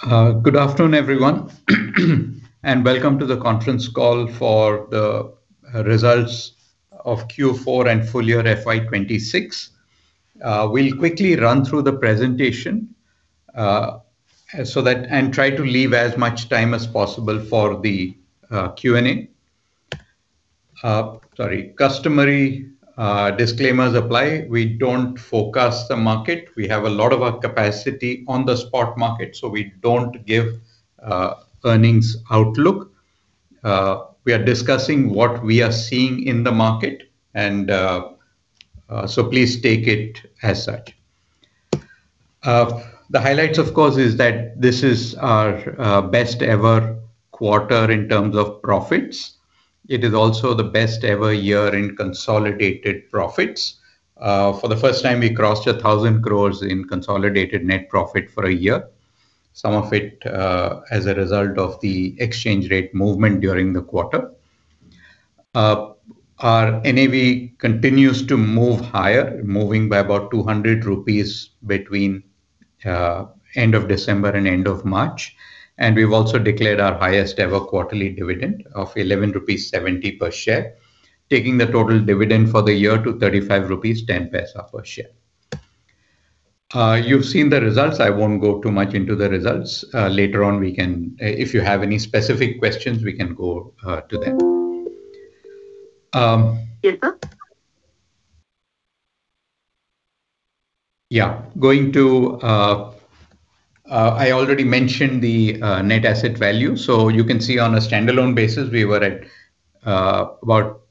Good afternoon, everyone, welcome to the conference call for the results of Q4 and full year FY 2026. We'll quickly run through the presentation to leave as much time as possible for the Q&A. Sorry. Customary disclaimers apply. We don't forecast the market. We have a lot of our capacity on the spot market, we don't give earnings outlook. We are discussing what we are seeing in the market, please take it as such. The highlights, of course, is that this is our best ever quarter in terms of profits. It is also the best ever year in consolidated profits. For the first time, we crossed 1,000 crores in consolidated net profit for a year. Some of it, as a result of the exchange rate movement during the quarter. Our NAV continues to move higher, moving by about 200 rupees between end of December and end of March, and we've also declared our highest ever quarterly dividend of 11.70 rupees per share, taking the total dividend for the year to 35.10 rupees per share. You've seen the results. I won't go too much into the results. Later on, if you have any specific questions, we can go to them. Yes, sir. Going to I already mentioned the net asset value. You can see on a standalone basis, we were at about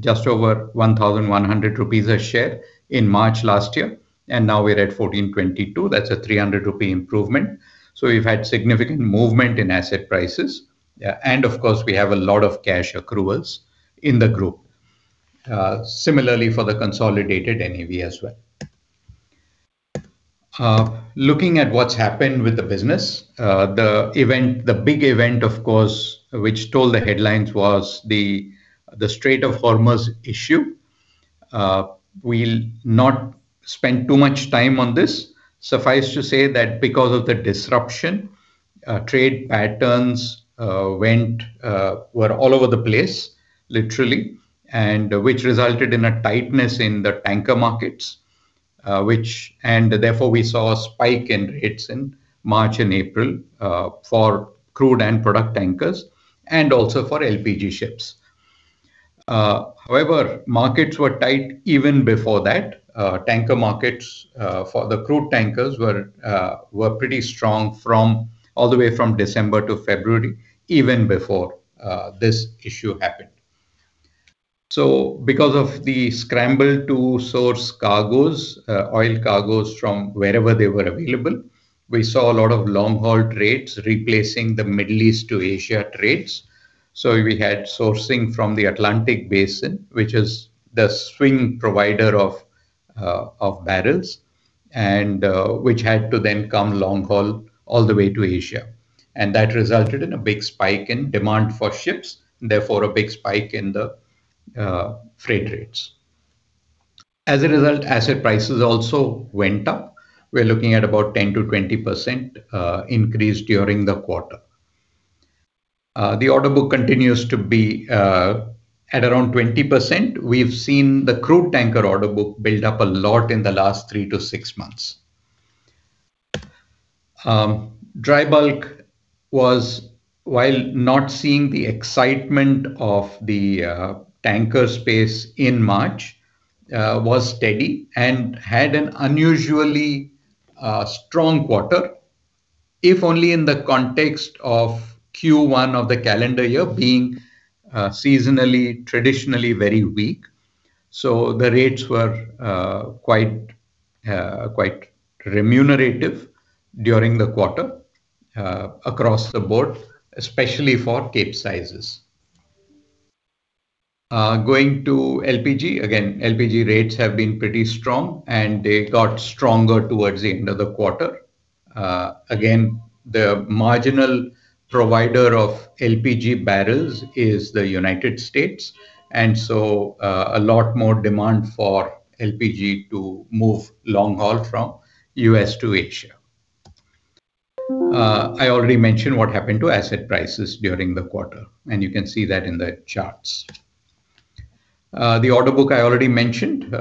just over 1,100 rupees a share in March last year, and now we're at 1,422. That's a 300 rupee improvement. We've had significant movement in asset prices. Of course, we have a lot of cash accruals in the group. Similarly for the consolidated NAV as well. Looking at what's happened with the business, the event, the big event, of course, which stole the headlines was the Strait of Hormuz issue. We'll not spend too much time on this. Suffice to say that because of the disruption, trade patterns were all over the place, literally, which resulted in a tightness in the tanker markets. Therefore, we saw a spike in rates in March and April for crude and product tankers and also for LPG ships. However, markets were tight even before that. Tanker markets for the crude tankers were pretty strong from all the way from December to February, even before this issue happened. Because of the scramble to source cargoes, oil cargoes from wherever they were available, we saw a lot of long-haul trades replacing the Middle East to Asia trades. We had sourcing from the Atlantic Basin, which is the swing provider of barrels and which had to then come long haul all the way to Asia. That resulted in a big spike in demand for ships, therefore a big spike in the freight rates. As a result, asset prices also went up. We're looking at about 10%-20% increase during the quarter. The order book continues to be at around 20%. We've seen the crude tanker order book build up a lot in the last 3-6 months. Dry bulk was, while not seeing the excitement of the tanker space in March, was steady and had an unusually strong quarter, if only in the context of Q1 of the calendar year being seasonally, traditionally very weak. The rates were quite remunerative during the quarter, across the board, especially for Capesizes. Going to LPG. Again, LPG rates have been pretty strong, and they got stronger towards the end of the quarter. Again, the marginal provider of LPG barrels is the United States, and so a lot more demand for LPG to move long haul from U.S. to Asia. I already mentioned what happened to asset prices during the quarter, and you can see that in the charts. The order book I already mentioned. We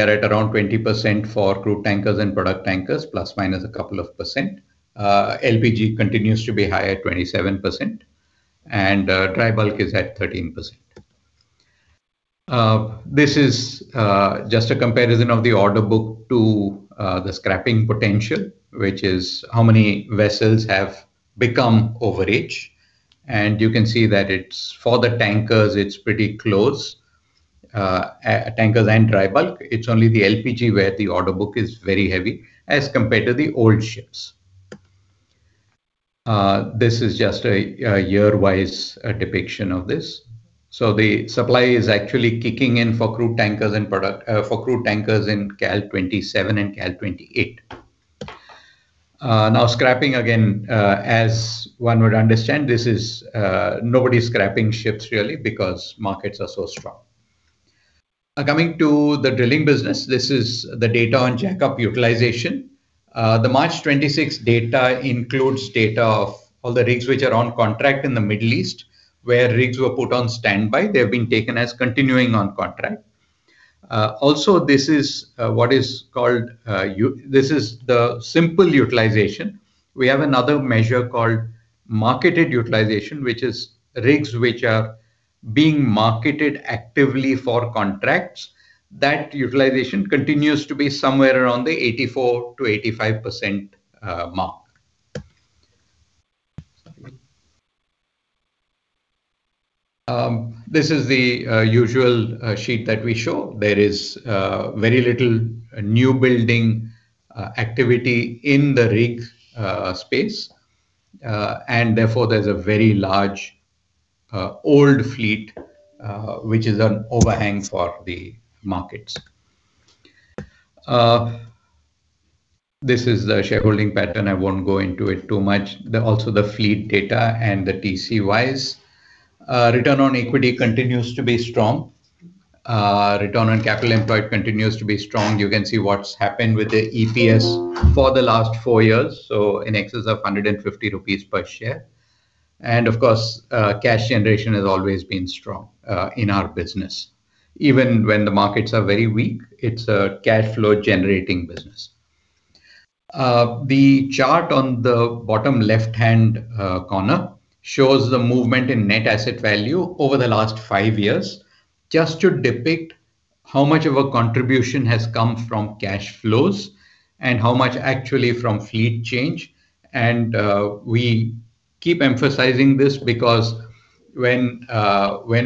are at around 20% for crude tankers and product tankers, plus or minus a couple of percent. LPG continues to be high at 27%, and dry bulk is at 13%. This is just a comparison of the order book to the scrapping potential, which is how many vessels have become overage. You can see that for the tankers, it's pretty close. Tankers and dry bulk. It's only the LPG where the order book is very heavy as compared to the old ships. This is just a year-wise depiction of this. The supply is actually kicking in for crude tankers in Cal 2027 and Cal 2028. Scrapping again. As one would understand, nobody's scrapping ships really because markets are so strong. Coming to the drilling business, this is the data on jackup utilization. The March 26th data includes data of all the rigs which are on contract in the Middle East, where rigs were put on standby. They have been taken as continuing on contract. Also this is what is called this is the simple utilization. We have another measure called marketed utilization, which is rigs which are being marketed actively for contracts. That utilization continues to be somewhere around the 84%-85% mark. This is the usual sheet that we show. There is very little new building activity in the rig space. Therefore, there's a very large old fleet which is an overhang for the markets. This is the shareholding pattern. I won't go into it too much. Also the fleet data and the TCE wise. Return on equity continues to be strong. Return on capital employed continues to be strong. You can see what's happened with the EPS for the last four years, so in excess of 150 rupees per share. Of course, cash generation has always been strong in our business. Even when the markets are very weak, it's a cash flow generating business. The chart on the bottom left-hand corner shows the movement in net asset value over the last five years, just to depict how much of a contribution has come from cash flows and how much actually from fleet change. We keep emphasizing this because when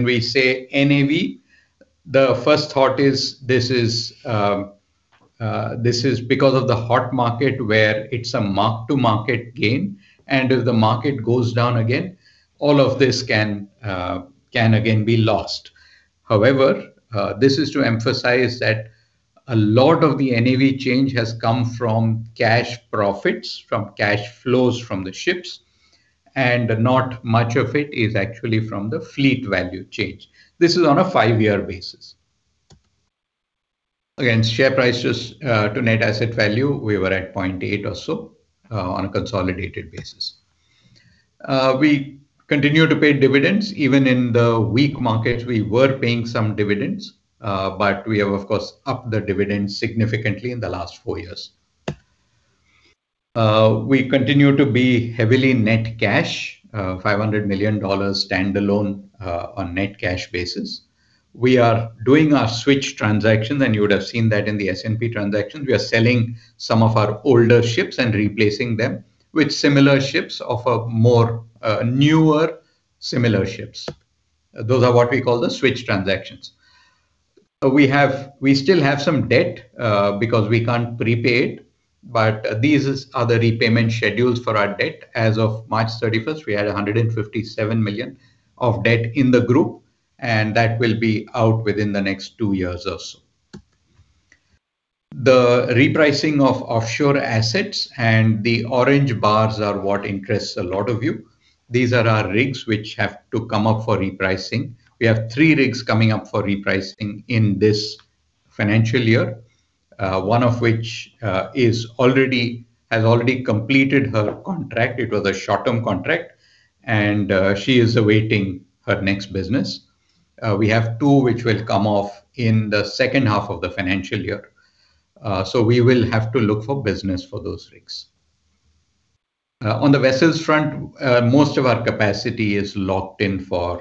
we say NAV, the first thought is this is because of the hot market where it's a mark-to-market gain. If the market goes down again, all of this can again be lost. This is to emphasize that a lot of the NAV change has come from cash profits, from cash flows from the ships, and not much of it is actually from the fleet value change. This is on a five-year basis. Share prices, to net asset value, we were at 0.8 or so, on a consolidated basis. We continue to pay dividends. Even in the weak markets, we were paying some dividends, we have, of course, upped the dividends significantly in the last four years. We continue to be heavily net cash, $500 million standalone, on net cash basis. We are doing our switch transaction, you would have seen that in the S&P transaction. We are selling some of our older ships, replacing them with similar ships of a newer similar ships. Those are what we call the switch transactions. We still have some debt because we can't prepay it. These are the repayment schedules for our debt. As of March 31st, we had 157 million of debt in the group. That will be out within the next two years or so. The repricing of offshore assets and the orange bars are what interests a lot of you. These are our rigs which have to come up for repricing. We have three rigs coming up for repricing in this financial year, one of which has already completed her contract. It was a short-term contract. She is awaiting her next business. We have two which will come off in the second half of the financial year. We will have to look for business for those rigs. On the vessels front, most of our capacity is locked in for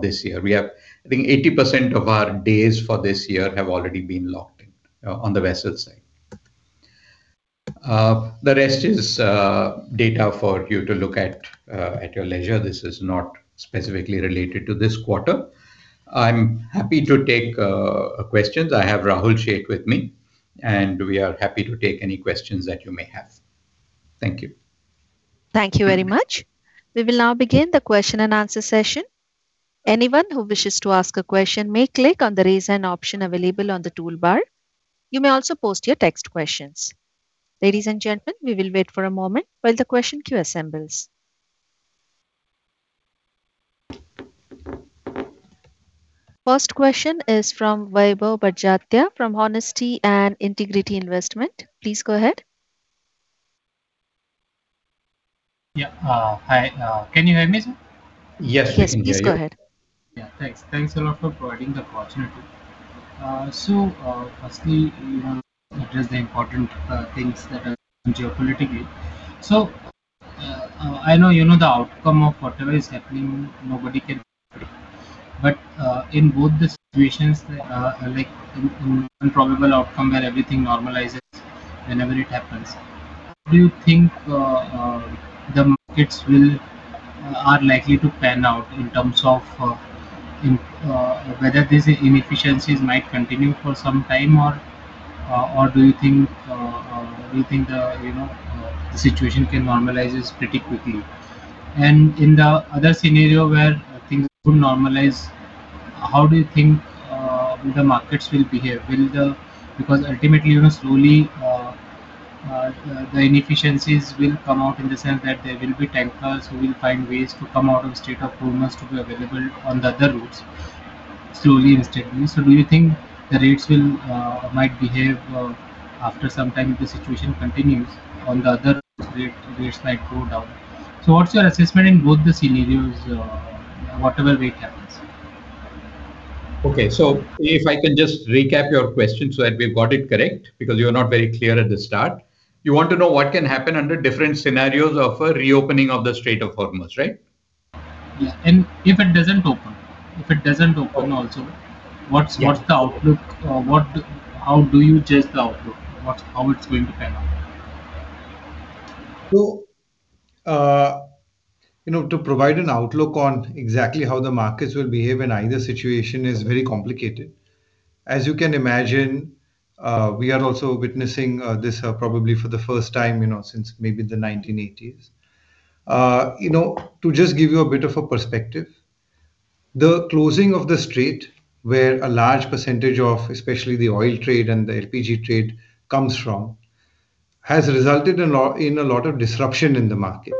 this year. We have, I think 80% of our days for this year have already been locked in on the vessels side. The rest is data for you to look at at your leisure. This is not specifically related to this quarter. I'm happy to take questions. I have Rahul Sheth with me, and we are happy to take any questions that you may have. Thank you. Thank you very much. We will now begin the question-and-answer session. Anyone who wishes to ask a question may click on the Raise Hand option available on the toolbar. You may also post your text questions. Ladies and gentlemen, we will wait for a moment while the question queue assembles. First question is from Vaibhav Badjatya from Honesty and Integrity Investment. Please go ahead. Yeah. Hi. Can you hear me, sir? Yes, we can hear you. Yes, please go ahead. Yeah, thanks. Thanks a lot for providing the opportunity. Firstly, you know, address the important things that are geopolitically. I know you know the outcome of whatever is happening, nobody can predict. In both the situations, like in one probable outcome where everything normalizes whenever it happens, how do you think the markets will are likely to pan out in terms of whether these inefficiencies might continue for some time or do you think do you think the, you know, the situation can normalize pretty quickly? In the other scenario where things couldn't normalize, how do you think the markets will behave? Because ultimately, you know, slowly, the inefficiencies will come out in the sense that there will be tankers who will find ways to come out of Strait of Hormuz to be available on the other routes slowly and steadily. Do you think the rates will might behave after some time if the situation continues on the other routes rates might go down? What's your assessment in both the scenarios, whatever way it happens? Okay. If I can just recap your question so that we've got it correct, because you were not very clear at the start. You want to know what can happen under different scenarios of a reopening of the Strait of Hormuz, right? Yeah. If it doesn't open also. Okay. Yeah What's the outlook? How do you judge the outlook? How it's going to pan out? You know, to provide an outlook on exactly how the markets will behave in either situation is very complicated. As you can imagine, we are also witnessing this probably for the first time, you know, since maybe the 1980s. You know, to just give you a bit of a perspective, the closing of the Strait where a large percentage of, especially the oil trade and the LPG trade comes from, has resulted in a lot of disruption in the market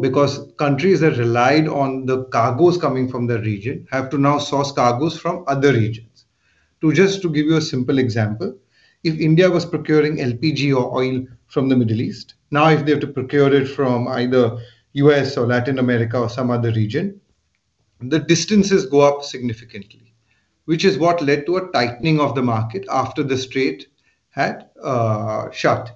because countries that relied on the cargoes coming from the region have to now source cargoes from other regions. Just to give you a simple example, if India was procuring LPG or oil from the Middle East, if they have to procure it from either U.S. or Latin America or some other region, the distances go up significantly, which is what led to a tightening of the market after the strait had shut.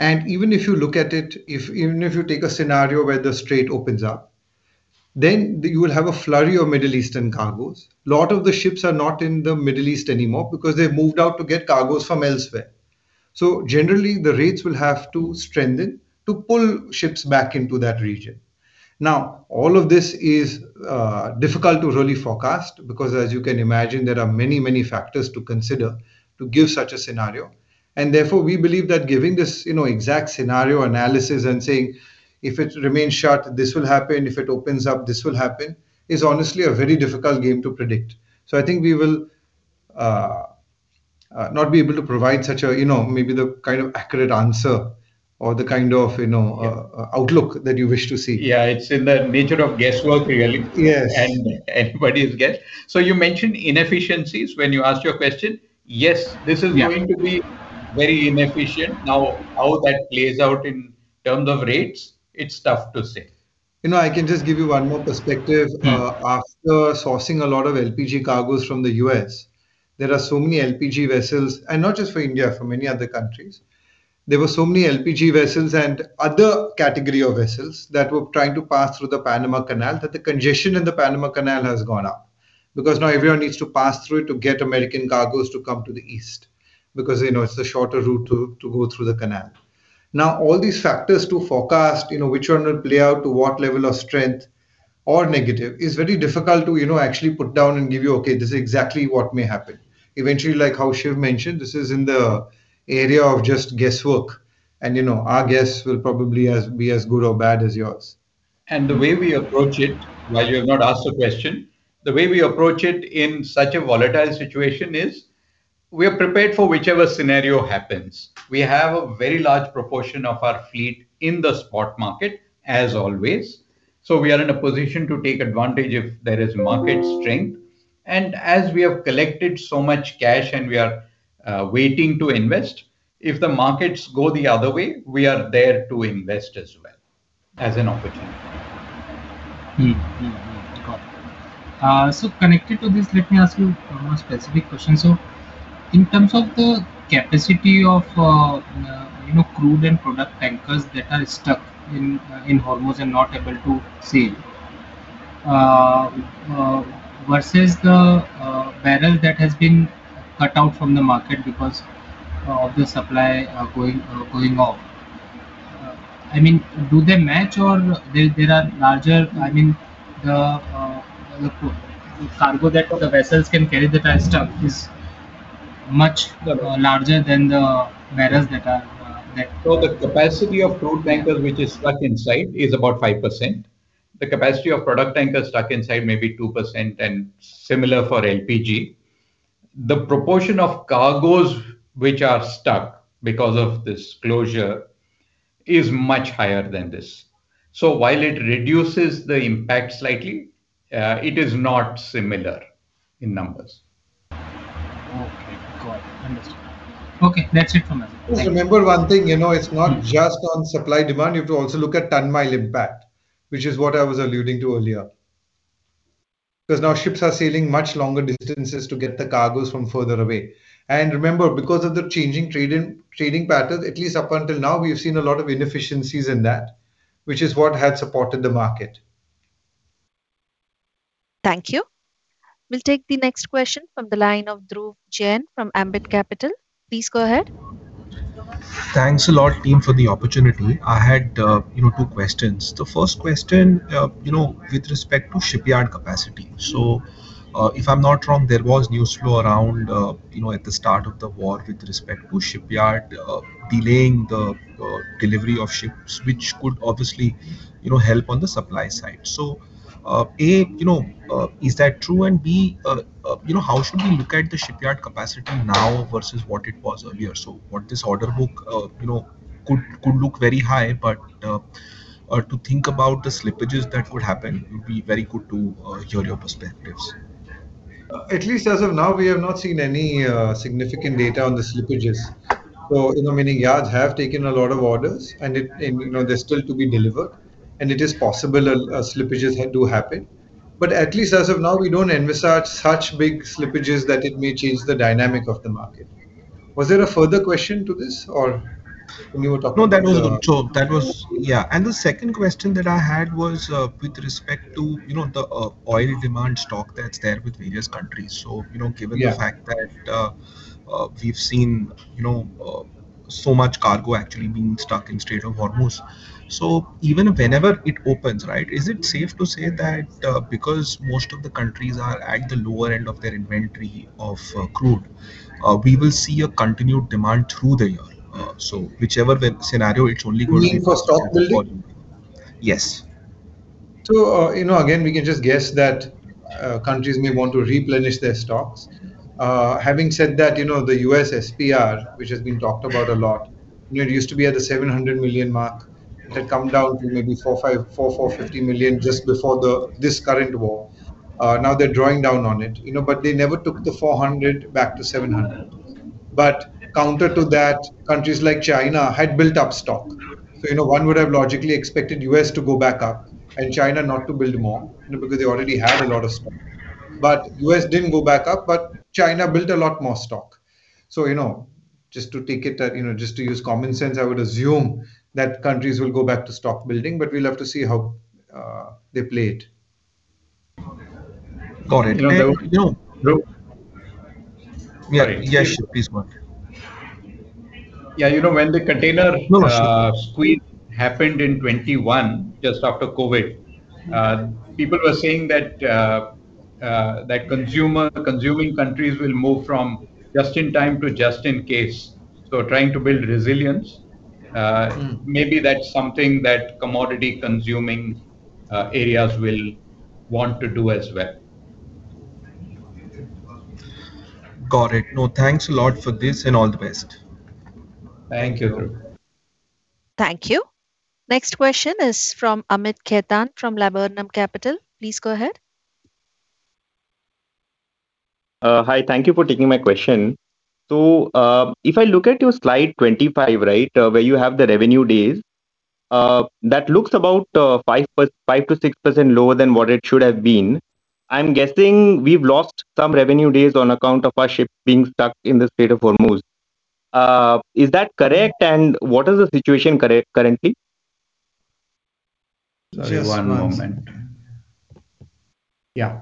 Even if you look at it, if even if you take a scenario where the Strait opens up, you will have a flurry of Middle Eastern cargoes. Lot of the ships are not in the Middle East anymore because they've moved out to get cargoes from elsewhere. Generally, the rates will have to strengthen to pull ships back into that region. All of this is difficult to really forecast because as you can imagine, there are many, many factors to consider to give such a scenario. Therefore, we believe that giving this, you know, exact scenario analysis and saying, If it remains shut, this will happen, if it opens up, this will happen, is honestly a very difficult game to predict. I think we will not be able to provide such a, you know, maybe the kind of accurate answer. Yeah Outlook that you wish to see. It's in the nature of guesswork really. Yes. Everybody's guess. You mentioned inefficiencies when you asked your question. Yeah This is going to be very inefficient. Now, how that plays out in terms of rates, it's tough to say. You know, I can just give you one more perspective. After sourcing a lot of LPG cargoes from the U.S., there are so many LPG vessels, and not just for India, for many other countries. There were so many LPG vessels and other category of vessels that were trying to pass through the Panama Canal, that the congestion in the Panama Canal has gone up because now everyone needs to pass through to get American cargoes to come to the East because, you know, it's the shorter route to go through the canal. Now, all these factors to forecast, you know, which one will play out to what level of strength or negative is very difficult to, you know, actually put down and give you, Okay, this is exactly what may happen. Eventually, like how Shiv mentioned, this is in the area of just guesswork and, you know, our guess will probably be as good or bad as yours. The way we approach it, while you have not asked the question, the way we approach it in such a volatile situation is we are prepared for whichever scenario happens. We have a very large proportion of our fleet in the spot market as always, so we are in a position to take advantage if there is market strength. As we have collected so much cash and we are waiting to invest, if the markets go the other way, we are there to invest as well as an opportunity. Got it. Connected to this, let me ask you one more specific question. In terms of the capacity of, you know, crude and product tankers that are stuck in Hormuz and not able to sail, versus the barrel that has been cut out from the market because of the supply going off, I mean, do they match or there are larger I mean, the cargo that the vessels can carry that are stuck is much- The- larger than the barrels that are The capacity of crude tankers which is stuck inside is about 5%. The capacity of product tankers stuck inside may be 2%, and similar for LPG. The proportion of cargoes which are stuck because of this closure is much higher than this. While it reduces the impact slightly, it is not similar in numbers. Okay. Got it. Understood. Okay. That's it from my end. Thank you. Just remember one thing, you know. It's not just on supply-demand, you have to also look at ton-mile impact, which is what I was alluding to earlier. 'Cause now ships are sailing much longer distances to get the cargoes from further away. Remember, because of the changing trading pattern, at least up until now, we have seen a lot of inefficiencies in that, which is what had supported the market. Thank you. We'll take the next question from the line of Dhruv Jain from Ambit Capital. Please go ahead. Thanks a lot team for the opportunity. I had, you know, two questions. The first question, you know, with respect to shipyard capacity. If I'm not wrong, there was news flow around, you know, at the start of the war with respect to shipyard, delaying the delivery of ships, which could obviously, you know, help on the supply side. A, you know, is that true? B, you know, how should we look at the shipyard capacity now versus what it was earlier? What this order book, you know, could look very high, to think about the slippages that could happen, it would be very good to hear your perspectives. At least as of now, we have not seen any significant data on the slippages. You know, many yards have taken a lot of orders and it, and, you know, they're still to be delivered, and it is possible, slippages do happen. At least as of now, we don't envisage such big slippages that it may change the dynamic of the market. Was there a further question to this, or when you were talking about the? No, that was. Yeah. The second question that I had was, with respect to, you know, the oil demand stock that's there with various countries. You know, given- Yeah the fact that, we've seen, you know, so much cargo actually being stuck in Strait of Hormuz. Even whenever it opens, right, is it safe to say that, because most of the countries are at the lower end of their inventory of, crude, we will see a continued demand through the year? Whichever the scenario, it's only gonna be for some time. Meaning for stock building? Yes. You know, again, we can just guess that countries may want to replenish their stocks. Having said that, you know, the U.S. SPR, which has been talked about a lot, you know, it used to be at the 700 million mark. It had come down to maybe 450 million just before this current war. Now they're drawing down on it, you know, but they never took the 400 million back to 700 million. Counter to that, countries like China had built up stock. You know, one would have logically expected U.S. to go back up and China not to build more, you know, because they already had a lot of stock. U.S. didn't go back up, but China built a lot more stock. you know, just to use common sense, I would assume that countries will go back to stock building, but we'll have to see how they play it. Got it. Okay. You know. Yeah. Yes, please go on. Yeah, you know, when the container. No, sure. squeeze happened in 2021, just after COVID, people were saying that consuming countries will move from just in time to just in case, so trying to build resilience maybe that's something that commodity consuming, areas will want to do as well. Got it. No, thanks a lot for this, and all the best. Thank you. Thank you. Thank you. Next question is from Amit Khetan from Laburnum Capital. Please go ahead. Hi. Thank you for taking my question. If I look at your Slide 25, right, where you have the revenue days, that looks about 5%-6% lower than what it should have been. I'm guessing we've lost some revenue days on account of our ships being stuck in the Strait of Hormuz. Is that correct? What is the situation correct, currently? Just one second. One moment. Yeah.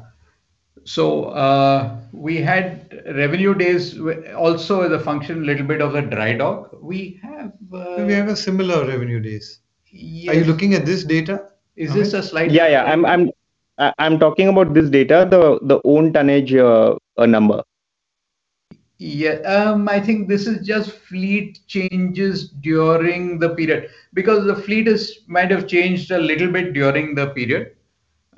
We had revenue days also as a function, a little bit of a dry dock. We have a similar revenue days. Yes. Are you looking at this data, Amit? Is this a slide? Yeah. I'm talking about this data, the own tonnage, number. Yeah. I think this is just fleet changes during the period. Because the fleet might have changed a little bit during the period.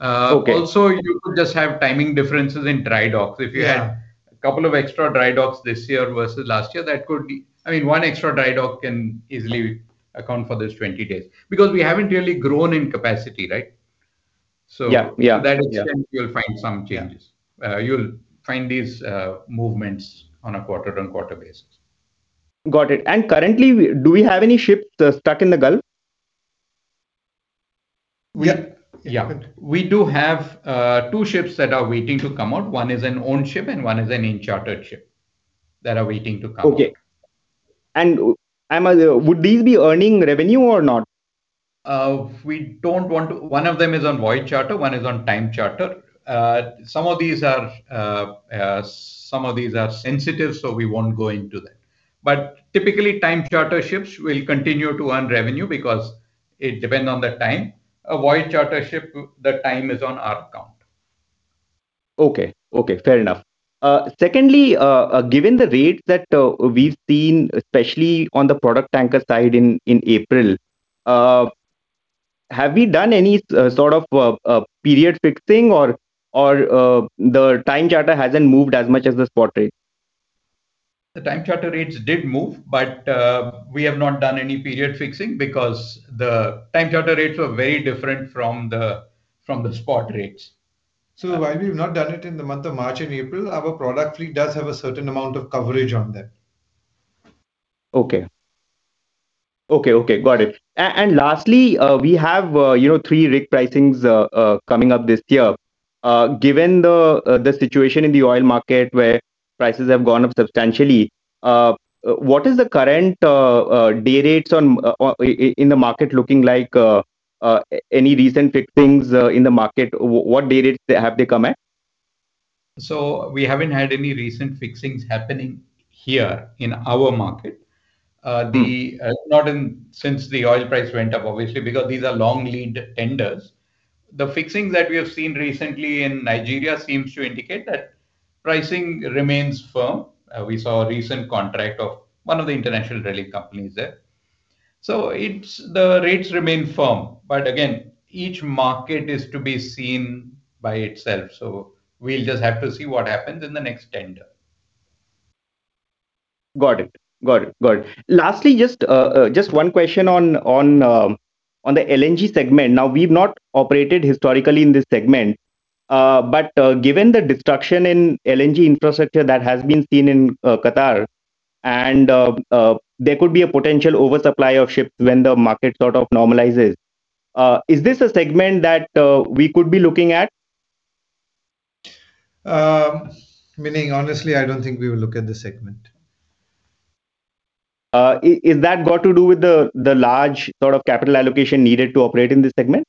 Okay also, you could just have timing differences in dry dock. Yeah a couple of extra dry docks this year versus last year, that could be I mean, one extra dry dock can easily account for this 20 days. We haven't really grown in capacity, right? Yeah, yeah. Yeah That extent you will find some changes. Yeah. You'll find these movements on a quarter-on-quarter basis. Got it. Currently, do we have any ships stuck in the Gulf? We. Yeah. Yeah. We do have, two ships that are waiting to come out. One is an owned ship and one is an in-chartered ship, that are waiting to come out. Okay. Would these be earning revenue or not? We don't want to One of them is on voyage charter, one is on time charter. Some of these are sensitive, so we won't go into that. Typically, time charter ships will continue to earn revenue because it depend on the time. A voyage charter ship, the time is on our count. Okay. Okay, fair enough. Secondly, given the rates that we've seen, especially on the product tanker side in April, have we done any sort of period fixing or the time charter hasn't moved as much as the spot rate? The time charter rates did move, but we have not done any period fixing because the time charter rates were very different from the spot rates. While we've not done it in the month of March and April, our product fleet does have a certain amount of coverage on them. Okay. Got it. Lastly, you know, three rig pricings coming up this year. Given the situation in the oil market where prices have gone up substantially, what is the current day rates on in the market looking like, any recent fixings in the market, what day rates they have to come at? We haven't had any recent fixings happening here in our market. Not in since the oil price went up, obviously, because these are long lead tenders. The fixing that we have seen recently in Nigeria seems to indicate that pricing remains firm. We saw a recent contract of one of the international drilling companies there. The rates remain firm. Again, each market is to be seen by itself, so we'll just have to see what happens in the next tender. Got it. Got it, got it. Lastly, just one question on the LNG segment. Now, we've not operated historically in this segment, but given the destruction in LNG infrastructure that has been seen in Qatar and there could be a potential oversupply of ships when the market sort of normalizes, is this a segment that we could be looking at? Mining, honestly, I don't think we will look at this segment. Is that got to do with the large sort of capital allocation needed to operate in this segment?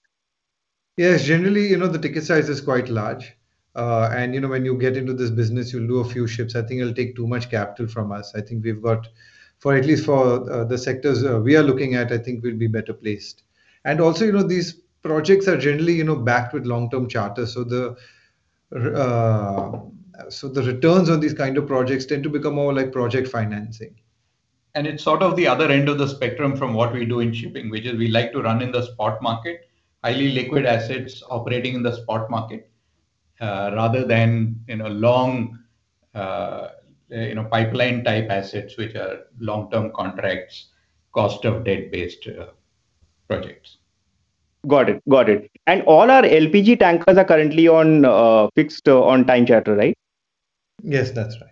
Yes. Generally, you know, the ticket size is quite large. You know, when you get into this business, you'll do a few ships. I think it'll take too much capital from us. I think we've got, at least for the sectors we are looking at, I think we'll be better placed. Also, you know, these projects are generally, you know, backed with long-term charters, so the returns on these kind of projects tend to become more like project financing. It's sort of the other end of the spectrum from what we do in shipping, which is we like to run in the spot market. Highly liquid assets operating in the spot market, rather than in a long, you know, pipeline-type assets which are long-term contracts, cost of debt-based projects. Got it. Got it. All our LPG tankers are currently on fixed on time charter, right? Yes, that's right.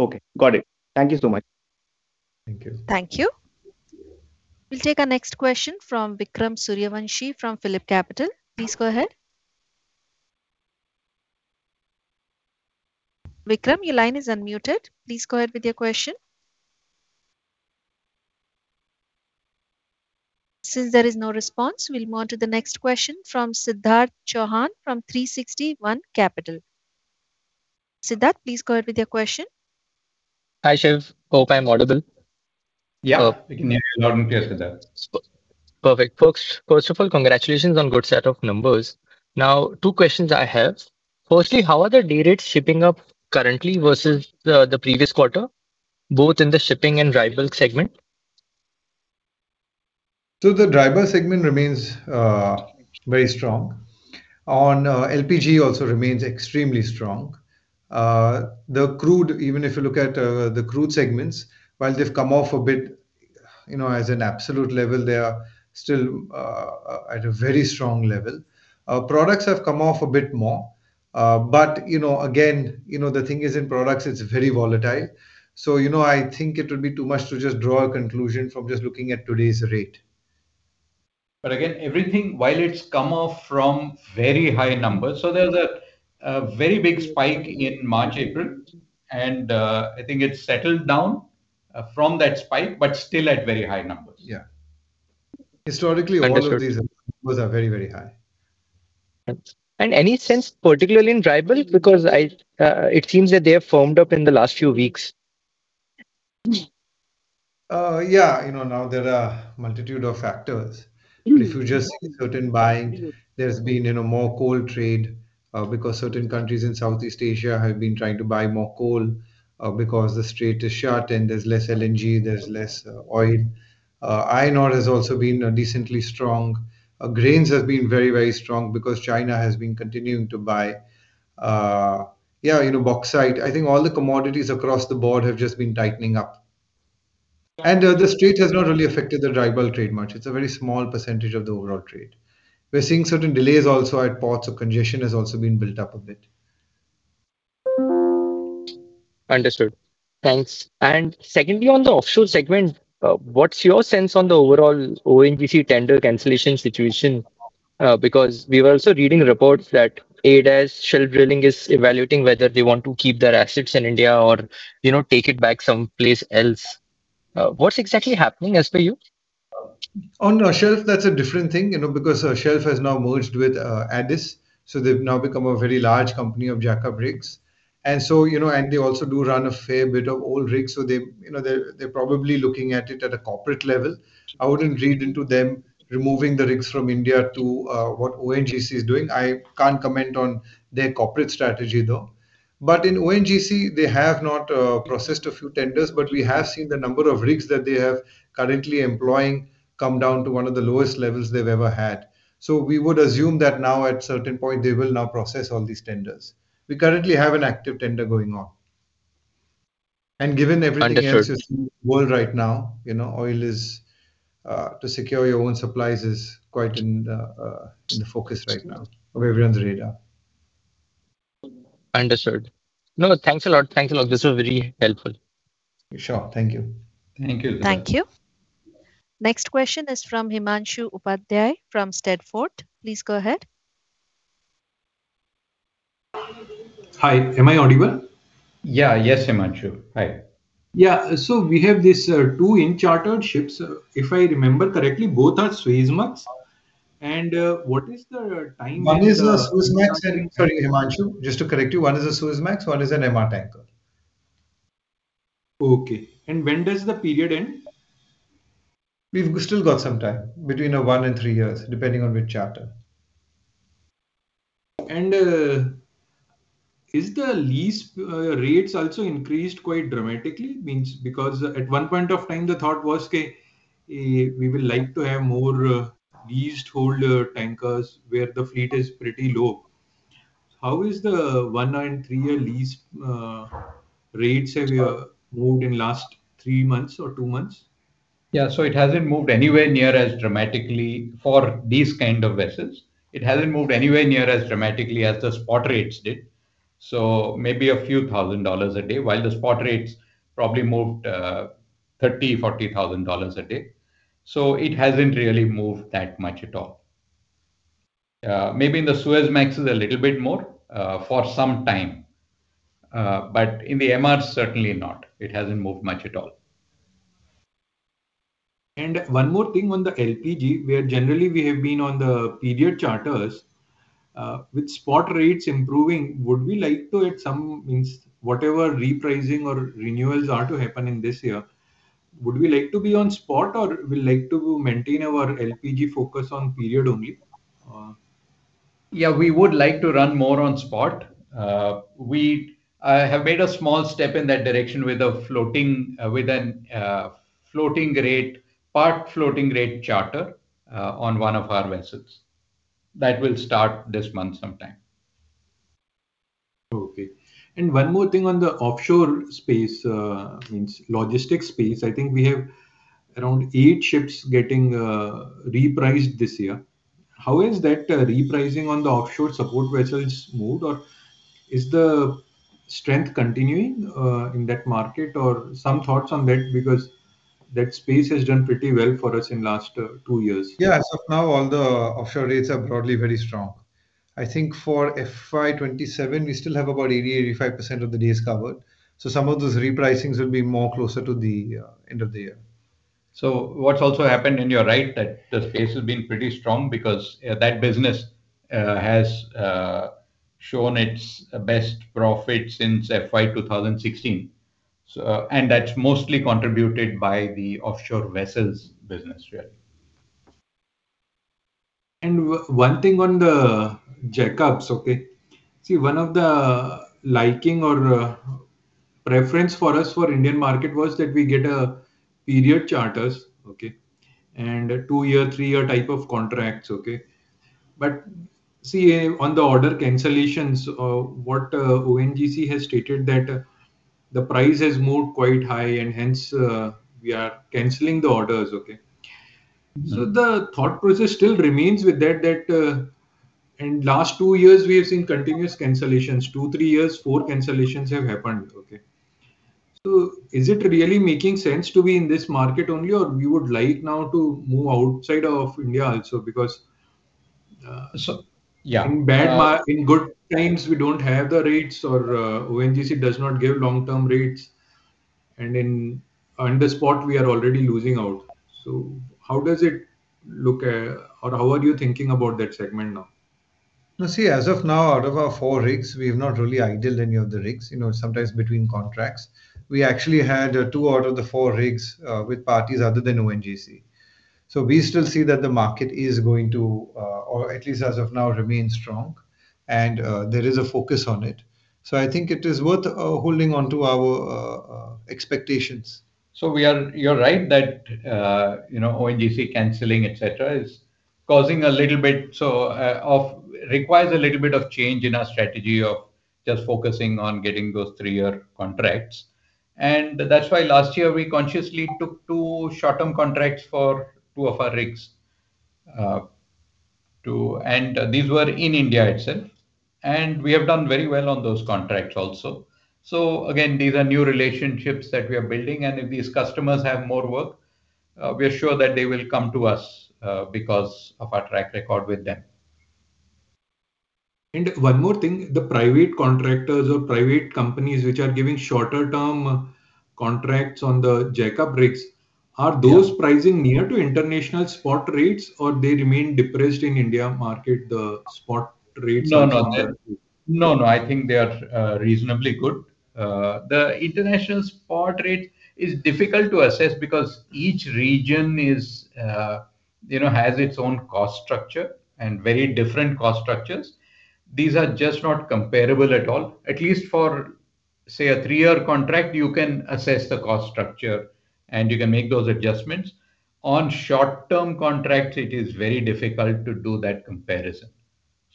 Okay. Got it. Thank you so much. Thank you. Thank you. We'll take our next question from Vikram Suryavanshi from PhillipCapital. Please go ahead. Vikram, your line is unmuted. Please go ahead with your question. Since there is no response, we'll move on to the next question from Siddharth Chauhan from 360 ONE Capital. Siddharth, please go ahead with your question. Hi, Shiv. Hope I'm audible. Yeah. Yeah. Loud and clear, Siddharth. Perfect. First of all, congratulations on good set of numbers. Now, two questions I have. Firstly, how are the day rates shipping up currently versus the previous quarter, both in the shipping and dry bulk segment? The dry bulk segment remains very strong. LPG also remains extremely strong. The crude, even if you look at the crude segments, while they've come off a bit, you know, as an absolute level they are still at a very strong level. Our products have come off a bit more, you know, again, you know, the thing is in products it's very volatile. You know, I think it would be too much to just draw a conclusion from just looking at today's rate. Again, everything, while it's come off from very high numbers, so there's a very big spike in March, April, and I think it's settled down from that spike, but still at very high numbers. Yeah. Historically, all of these. Understood are very, very high. Any sense particularly in dry bulk, because I, it seems that they have firmed up in the last few weeks. Yeah. You know, now there are multitude of factors. If you just certain buying, there's been, you know, more coal trade because certain countries in Southeast Asia have been trying to buy more coal because the Strait is shut and there's less LNG, there's less oil. Iron ore has also been decently strong. Grains have been very, very strong because China has been continuing to buy. Yeah, you know, bauxite. I think all the commodities across the board have just been tightening up. The strait has not really affected the dry bulk trade much. It's a very small percentage of the overall trade. We're seeing certain delays also at ports, so congestion has also been built up a bit. Understood. Thanks. Secondly, on the offshore segment, what's your sense on the overall ONGC tender cancellation situation? Because we were also reading reports that ADES Shelf Drilling is evaluating whether they want to keep their assets in India or, you know, take it back someplace else. What's exactly happening as per you? On Shelf, that's a different thing, you know, because Shelf has now merged with ADES, they've now become a very large company of jackup rigs. You know, they also do run a fair bit of old rigs, so they, you know, they're probably looking at it at a corporate level. I wouldn't read into them removing the rigs from India to what ONGC is doing. I can't comment on their corporate strategy, though. In ONGC, they have not processed a few tenders, but we have seen the number of rigs that they have currently employing come down to one of the lowest levels they've ever had. We would assume that now at certain point they will now process all these tenders. We currently have an active tender going on. Understood else that's in the world right now, you know, oil is to secure your own supplies is quite in the focus right now of everyone's radar. Understood. No, no, thanks a lot. Thanks a lot. This was very helpful. Sure. Thank you. Thank you, Siddharth. Thank you. Next question is from Himanshu Upadhyay from SteadFort. Please go ahead. Hi, am I audible? Yeah. Yes, Himanshu. Hi. Yeah. We have this two in chartered ships. If I remember correctly, both are Suezmax. What is the time? One is a Suezmax. Sorry, Himanshu, just to correct you. One is a Suezmax, one is an MR tanker. Okay. When does the period end? We've still got some time, between one and three years, depending on which charter. Is the lease rates also increased quite dramatically? Means because at one point of time the thought was, Okay, we would like to have more leased holder tankers where the fleet is pretty low. How is the one-in-three-year lease rates have moved in last three months or two months? It hasn't moved anywhere near as dramatically for these kind of vessels. It hasn't moved anywhere near as dramatically as the spot rates did. Maybe a few thousand dollars a day, while the spot rates probably moved $30,000-$40,000 a day. It hasn't really moved that much at all. Maybe in the Suezmaxes a little bit more for some time. In the MRs certainly not. It hasn't moved much at all. One more thing on the LPG, where generally we have been on the period charters. With spot rates improving, would we like to whatever repricing or renewals are to happen in this year, would we like to be on spot or we like to maintain our LPG focus on period only? Yeah, we would like to run more on spot. We have made a small step in that direction with an floating rate, part floating rate charter, on one of our vessels. That will start this month sometime. Okay. One more thing on the offshore space, logistics space, I think we have around eight ships getting repriced this year. How is that repricing on the offshore support vessels moved or is the strength continuing in that market or some thoughts on that because that space has done pretty well for us in last two years? Yeah, as of now all the offshore rates are broadly very strong. I think for FY 2027 we still have about 80%, 85% of the days covered, so some of those repricings will be more closer to the end of the year. What's also happened, and you're right, that the space has been pretty strong because that business has shown its best profit since FY 2016. That's mostly contributed by the offshore vessels business, yeah. One thing on the jackups, okay. See, one of the liking or preference for us for Indian market was that we get period charters, okay, and two-year, three-year type of contracts, okay. See, on the order cancellations, what ONGC has stated that the price has moved quite high and hence, we are canceling the orders, okay. The thought process still remains with that, in last two years we have seen continuous cancellations. Two, three years four cancellations have happened, okay. Is it really making sense to be in this market only or we would like now to move outside of India also? Yeah. in good times we don't have the rates or ONGC does not give long-term rates, and on the spot we are already losing out. How does it look or how are you thinking about that segment now? See, as of now out of our four rigs we've not really idled any of the rigs, you know, sometimes between contracts. We actually had two out of the four rigs with parties other than ONGC. We still see that the market is going to or at least as of now remain strong and there is a focus on it. I think it is worth holding onto our expectations. You're right that, you know, ONGC canceling, et cetera, is causing a little bit. It requires a little bit of change in our strategy of just focusing on getting those three-year contracts. That's why last year we consciously took two short-term contracts for two of our rigs. These were in India itself, and we have done very well on those contracts also. Again, these are new relationships that we are building, and if these customers have more work, we are sure that they will come to us because of our track record with them. One more thing, the private contractors or private companies which are giving shorter-term contracts on the jackup rigs. Yeah Are those pricing near to international spot rates or they remain depressed in India market, the spot rates and charter too? No, no, I think they are reasonably good. The international spot rate is difficult to assess because each region is, you know, has its own cost structure, very different cost structures. These are just not comparable at all. At least for, say, a three-year contract you can assess the cost structure and you can make those adjustments. On short-term contracts it is very difficult to do that comparison,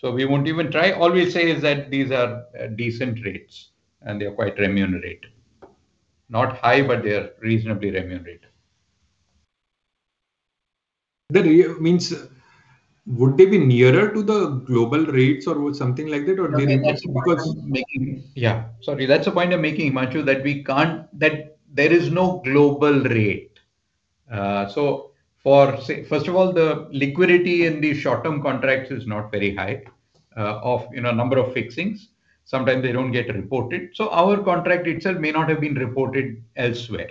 we won't even try. All we say is that these are decent rates and they're quite remunerative. Not high, they are reasonably remunerative. Means, would they be nearer to the global rates or something like that or they remain? No, I mean, that's the point I'm making. Sorry, that's the point I'm making, Himanshu, that we can't. There is no global rate. For say, first of all, the liquidity in the short-term contracts is not very high, of, you know, number of fixings. Sometimes they don't get reported. Our contract itself may not have been reported elsewhere.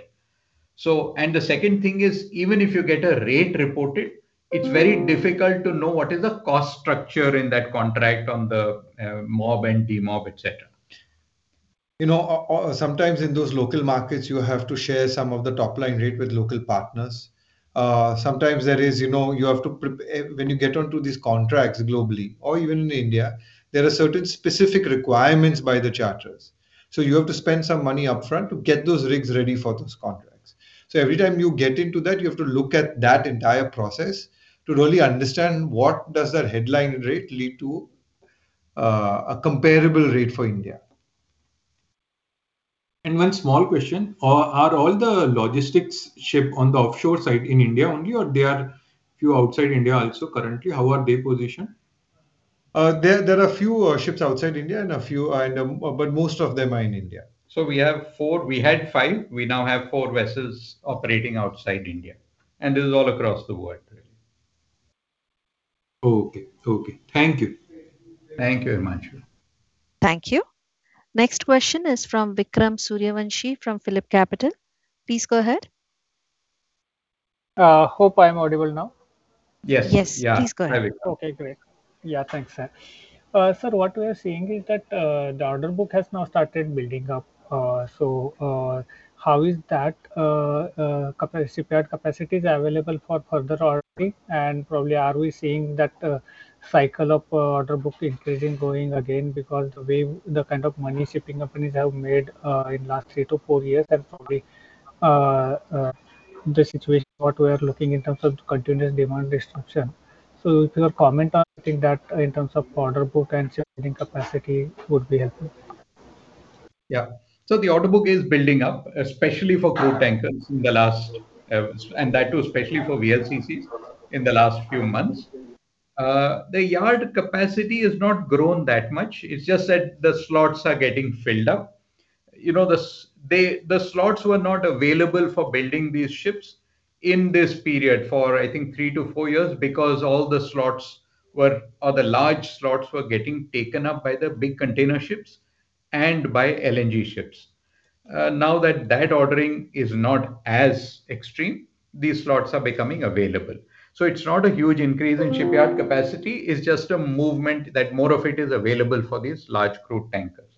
And the second thing is, even if you get a rate reported, it's very difficult to know what is the cost structure in that contract on the mob and demob, et cetera. You know, sometimes in those local markets you have to share some of the top-line rate with local partners. Sometimes there is, you know, you have to prep when you get onto these contracts globally or even in India, there are certain specific requirements by the charters, so you have to spend some money upfront to get those rigs ready for those contracts. Every time you get into that, you have to look at that entire process to really understand what does that headline rate lead to a comparable rate for India. One small question. Are all the logistics ship on the offshore site in India only or they are few outside India also currently? How are they positioned? There are a few ships outside India and a few. Most of them are in India. We have four. We had five. We now have four vessels operating outside India, and this is all across the world really. Okay. Okay. Thank you. Thank you, Himanshu. Thank you. Next question is from Vikram Suryavanshi from PhillipCapital. Please go ahead. Hope I'm audible now. Yes. Yes. Yeah. Please go ahead. Have it. Okay, great. Yeah, thanks. sir, what we are seeing is that, the order book has now started building up. How is that shipyard capacity available for further ordering? Probably are we seeing that cycle of order book increasing going again because the way the kind of money shipping companies have made in last 3-4 years and probably the situation what we are looking in terms of continuous demand destruction. If you could comment on, I think, that in terms of order book and changing capacity would be helpful. Yeah. The order book is building up, especially for crude tankers in the last, and that too especially for VLCCs in the last few months. The yard capacity has not grown that much, it's just that the slots are getting filled up. You know, the slots were not available for building these ships in this period for, I think, 3-4 years because all the slots were, or the large slots were getting taken up by the big container ships and by LNG ships. Now that that ordering is not as extreme, these slots are becoming available. It's not a huge increase in shipyard capacity, it's just a movement that more of it is available for these large crude tankers.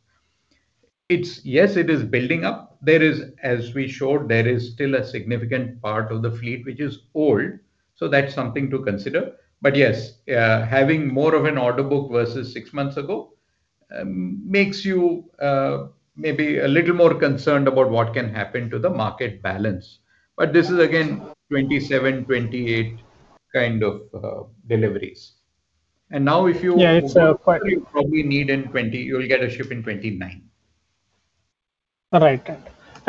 It's Yes, it is building up. There is, as we showed, there is still a significant part of the fleet which is old, so that's something to consider. Yes, having more of an order book versus six months ago makes you maybe a little more concerned about what can happen to the market balance. This is again 2027, 2028 kind of deliveries. Yeah, it's, uh, quite- you probably need in 2020, you'll get a ship in 2029. Right.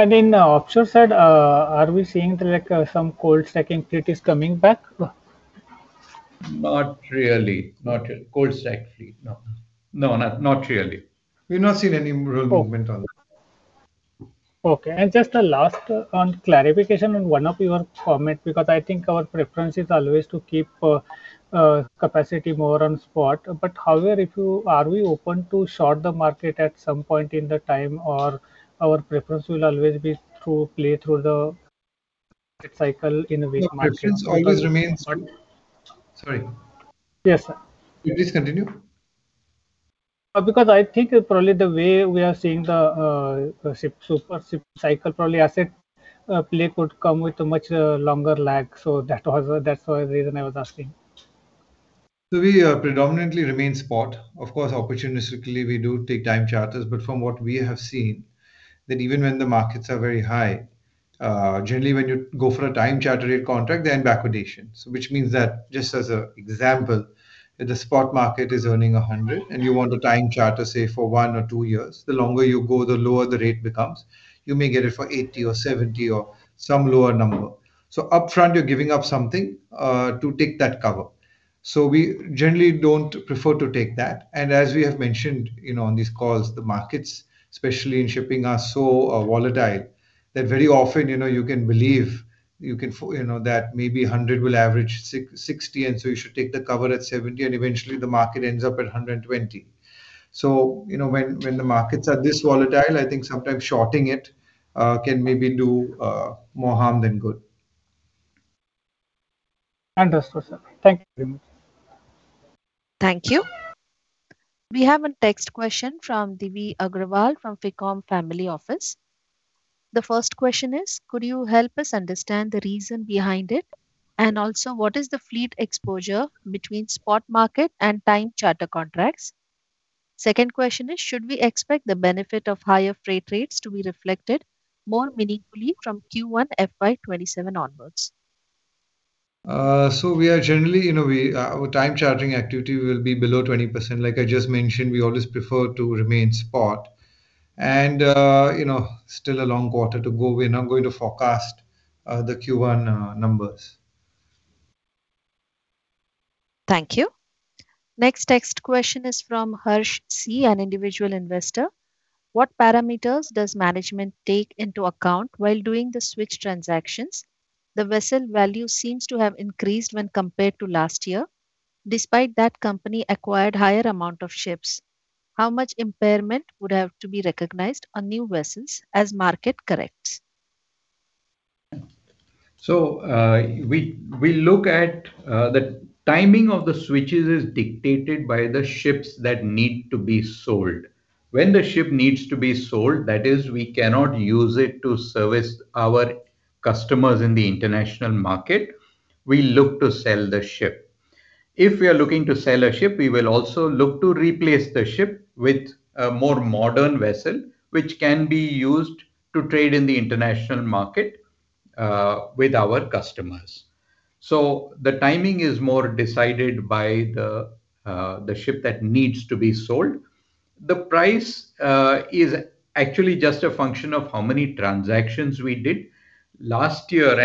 In the offshore side, are we seeing like some cold stacking fleet is coming back? Not really. Not yet. Cold stack fleet? No. No, not really. We've not seen any real movement on that. Okay. Just a last, on clarification on one of your comment because I think our preference is always to keep capacity more on spot. However, are we open to short the market at some point in the time or our preference will always be through play through the cycle in which market- Preference always remains Sorry. Yes, sir. Could you please continue? Because I think probably the way we are seeing the ship supercycle, probably asset play could come with a much longer lag. That's the reason I was asking. We predominantly remain spot. Of course, opportunistically we do take time charters, but from what we have seen, that even when the markets are very high, generally when you go for a time charter rate contract, they end backwardation. Which means that, just as an example, if the spot market is earning 100 and you want a time charter, say for one or two years, the longer you go the lower the rate becomes. You may get it for 80 or 70 or some lower number. Upfront you're giving up something to take that cover. We generally don't prefer to take that. As we have mentioned, you know, on these calls, the markets, especially in shipping, are so volatile that very often, you know, you can believe, you know, that maybe 100 will average 60, and so you should take the cover at 70, and eventually the market ends up at 120. You know, when the markets are this volatile, I think sometimes shorting it can maybe do more harm than good. Understood, sir. Thank you very much. Thank you. We have a text question from Divya Agrawal from Ficom Family Office. The first question is, Could you help us understand the reason behind it, and also what is the fleet exposure between spot market and time charter contracts? Second question is, Should we expect the benefit of higher freight rates to be reflected more meaningfully from Q1 FY 2027 onwards? We are generally, you know, we, our time chartering activity will be below 20%. Like I just mentioned, we always prefer to remain spot and, you know, still a long quarter to go. We're not going to forecast, the Q1, numbers. Thank you. Next text question is from Harsh C, an individual investor. What parameters does management take into account while doing the switch transactions? The vessel value seems to have increased when compared to last year. Despite that company acquired higher amount of ships. How much impairment would have to be recognized on new vessels as market corrects? We look at the timing of the switches is dictated by the ships that need to be sold. When the ship needs to be sold, that is, we cannot use it to service our customers in the international market, we look to sell the ship. If we are looking to sell a ship, we will also look to replace the ship with a more modern vessel, which can be used to trade in the international market with our customers. The timing is more decided by the ship that needs to be sold. The price is actually just a function of how many transactions we did last year.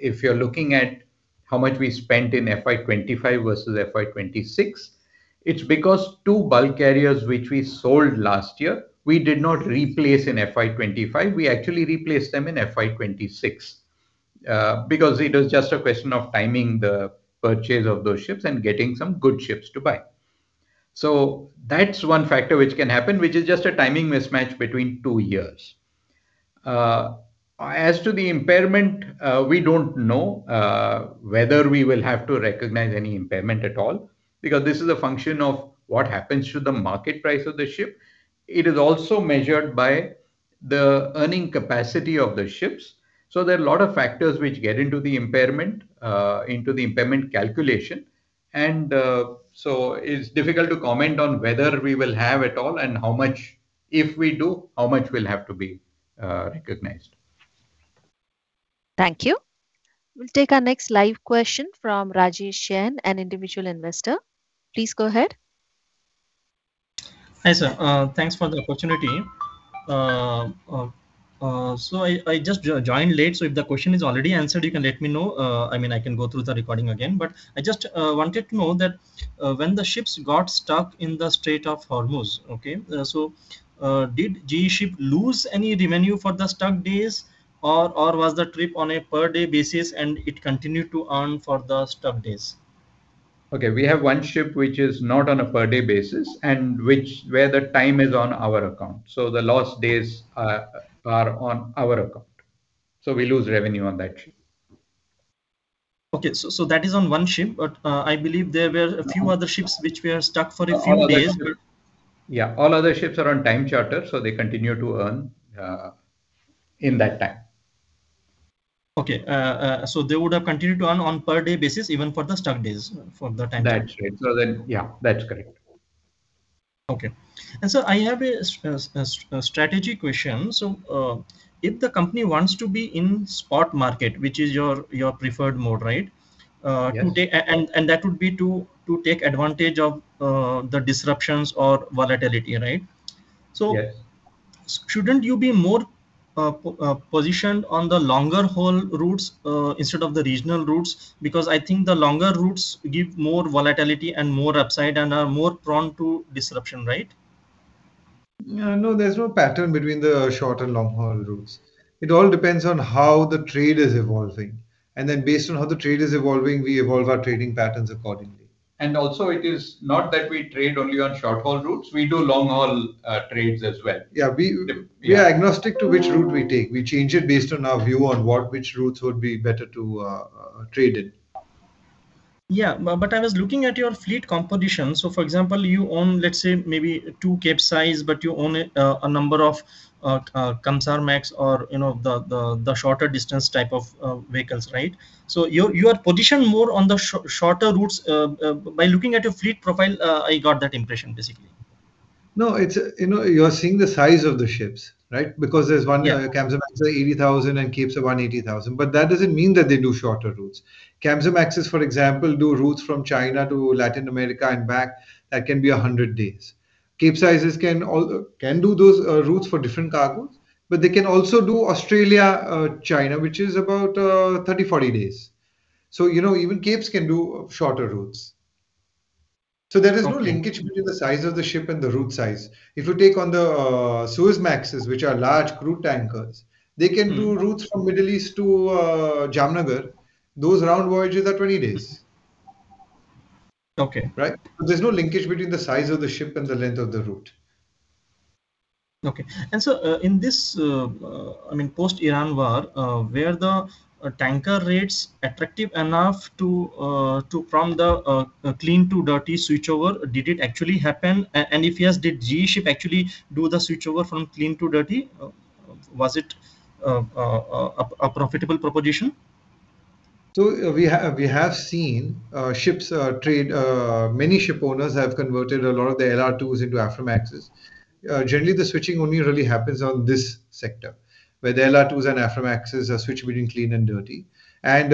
If you're looking at how much we spent in FY 2025 versus FY 2026, it's because two bulk carriers which we sold last year, we did not replace in FY 2025. We actually replaced them in FY 2026 because it was just a question of timing the purchase of those ships and getting some good ships to buy. That's one factor which can happen, which is just a timing mismatch between two years. As to the impairment, we don't know whether we will have to recognize any impairment at all, because this is a function of what happens to the market price of the ship. It is also measured by the earning capacity of the ships. There are a lot of factors which get into the impairment, into the impairment calculation, it's difficult to comment on whether we will have at all and how much, if we do, how much will have to be recognized. Thank you. We'll take our next live question from Rajesh Sheen, an individual investor. Please go ahead. Hi, sir. Thanks for the opportunity. I just joined late, so if the question is already answered, you can let me know. I mean, I can go through the recording again. I just wanted to know that when the ships got stuck in the Strait of Hormuz, did GE Shipping lose any revenue for the stuck days, or was the trip on a per day basis and it continued to earn for the stuck days? Okay. We have one ship which is not on a per day basis, and which where the time is on our account, so the lost days are on our account, so we lose revenue on that ship. Okay. That is on one ship, but I believe there were a few other ships which were stuck for a few days. All other ships Yeah, all other ships are on time charter, so they continue to earn in that time. Okay. They would have continued to earn on per day basis even for the stuck days for the time charter. That's right. Yeah, that's correct. Okay. I have a strategy question. If the company wants to be in spot market, which is your preferred mode, right? Yes. That would be to take advantage of the disruptions or volatility, right? Yes. Shouldn't you be more positioned on the longer haul routes instead of the regional routes? I think the longer routes give more volatility and more upside and are more prone to disruption, right? No, no, there's no pattern between the short and long haul routes. It all depends on how the trade is evolving, and then based on how the trade is evolving, we evolve our trading patterns accordingly. Also, it is not that we trade only on short haul routes. We do long haul trades as well. Yeah. Yeah We are agnostic to which route we take. We change it based on our view on what, which routes would be better to trade in. I was looking at your fleet composition. For example, you own, let's say, maybe two Capesize, but you own a number of Kamsarmax or, you know, the shorter distance type of vehicles, right? You are positioned more on the shorter routes. By looking at your fleet profile, I got that impression basically. No, it's, you know, you're seeing the size of the ships, right? Because there's. Yeah Kamsarmax is 80,000 and Capes are 180,000, but that doesn't mean that they do shorter routes. Kamsarmaxes, for example, do routes from China to Latin America and back. That can be 100 days. Capesizes can do those routes for different cargos, but they can also do Australia, China, which is about 30, 40 days. You know, even Capes can do shorter routes. Okay. There is no linkage between the size of the ship and the route size. If you take on the Suezmaxes, which are large crude tankers they can do routes from Middle East to Jamnagar. Those round voyages are 20 days. Okay. Right? There's no linkage between the size of the ship and the length of the route. Okay. In this, I mean post-Iran War, were the tanker rates attractive enough to from the clean to dirty switchover? Did it actually happen? If yes, did GE Shipping actually do the switchover from clean to dirty? Was it a profitable proposition? We have seen ships trade, Many ship owners have converted a lot of the LR2s into Aframaxes. Generally the switching only really happens on this sector, where the LR2s and Aframaxes are switch between clean and dirty.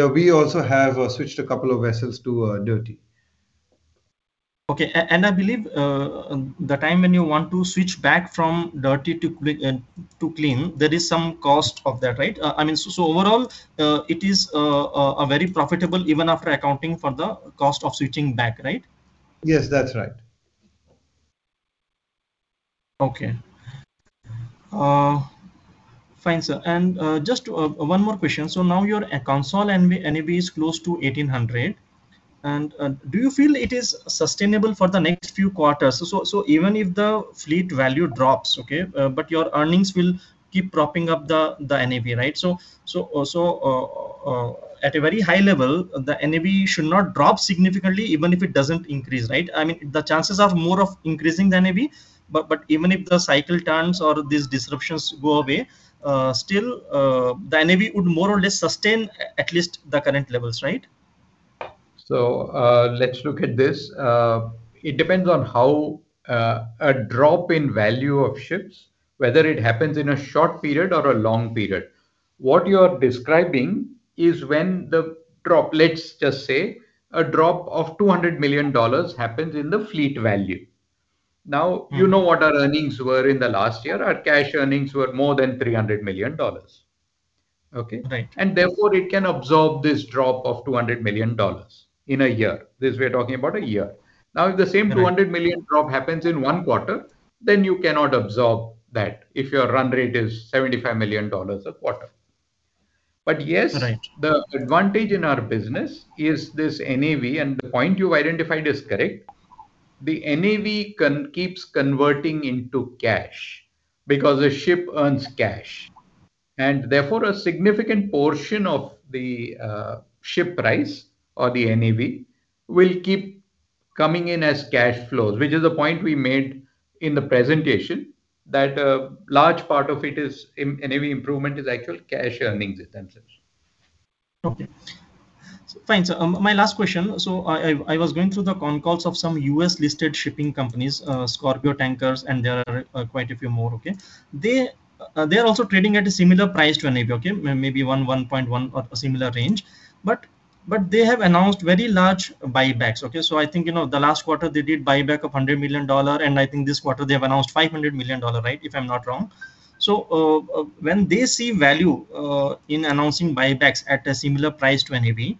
We also have switched a couple of vessels to dirty. Okay. I believe the time when you want to switch back from dirty to clean, there is some cost of that, right? I mean, overall, it is a very profitable even after accounting for the cost of switching back, right? Yes, that's right. Okay. Fine, sir. Just one more question. Now your consol NAV is close to 1,800. Do you feel it is sustainable for the next few quarters? Even if the fleet value drops, okay, your earnings will keep propping up the NAV, right? At a very high level, the NAV should not drop significantly even if it doesn't increase, right? I mean, the chances are more of increasing the NAV, but even if the cycle turns or these disruptions go away, still the NAV would more or less sustain at least the current levels, right? Let's look at this. It depends on how a drop in value of ships, whether it happens in a short period or a long period. What you're describing is when the drop, let's just say a drop of INR 200 million happens in the fleet value. Now, you know what our earnings were in the last year. Our cash earnings were more than $300 million. Okay? Right. Therefore it can absorb this drop of $200 million in a year. This, we're talking about a year. Right. If the same $200 million drop happens in 1 quarter, you cannot absorb that if your run rate is $75 million a quarter. Right The advantage in our business is this NAV, and the point you identified is correct. The NAV keeps converting into cash because a ship earns cash. Therefore a significant portion of the ship price or the NAV will keep coming in as cash flows, which is a point we made in the presentation, that a large part of it is NAV improvement is actual cash earnings itself. Okay. Fine. My last question. I was going through the con calls of some U.S.listed shipping companies, Scorpio Tankers, and there are quite a few more, okay? They're also trading at a similar price to NAV, okay, maybe 1.1 or a similar range. But they have announced very large buybacks, okay? I think, you know, the last quarter they did buyback of $100 million, and I think this quarter they have announced $500 million, right, if I'm not wrong. When they see value in announcing buybacks at a similar price to NAV,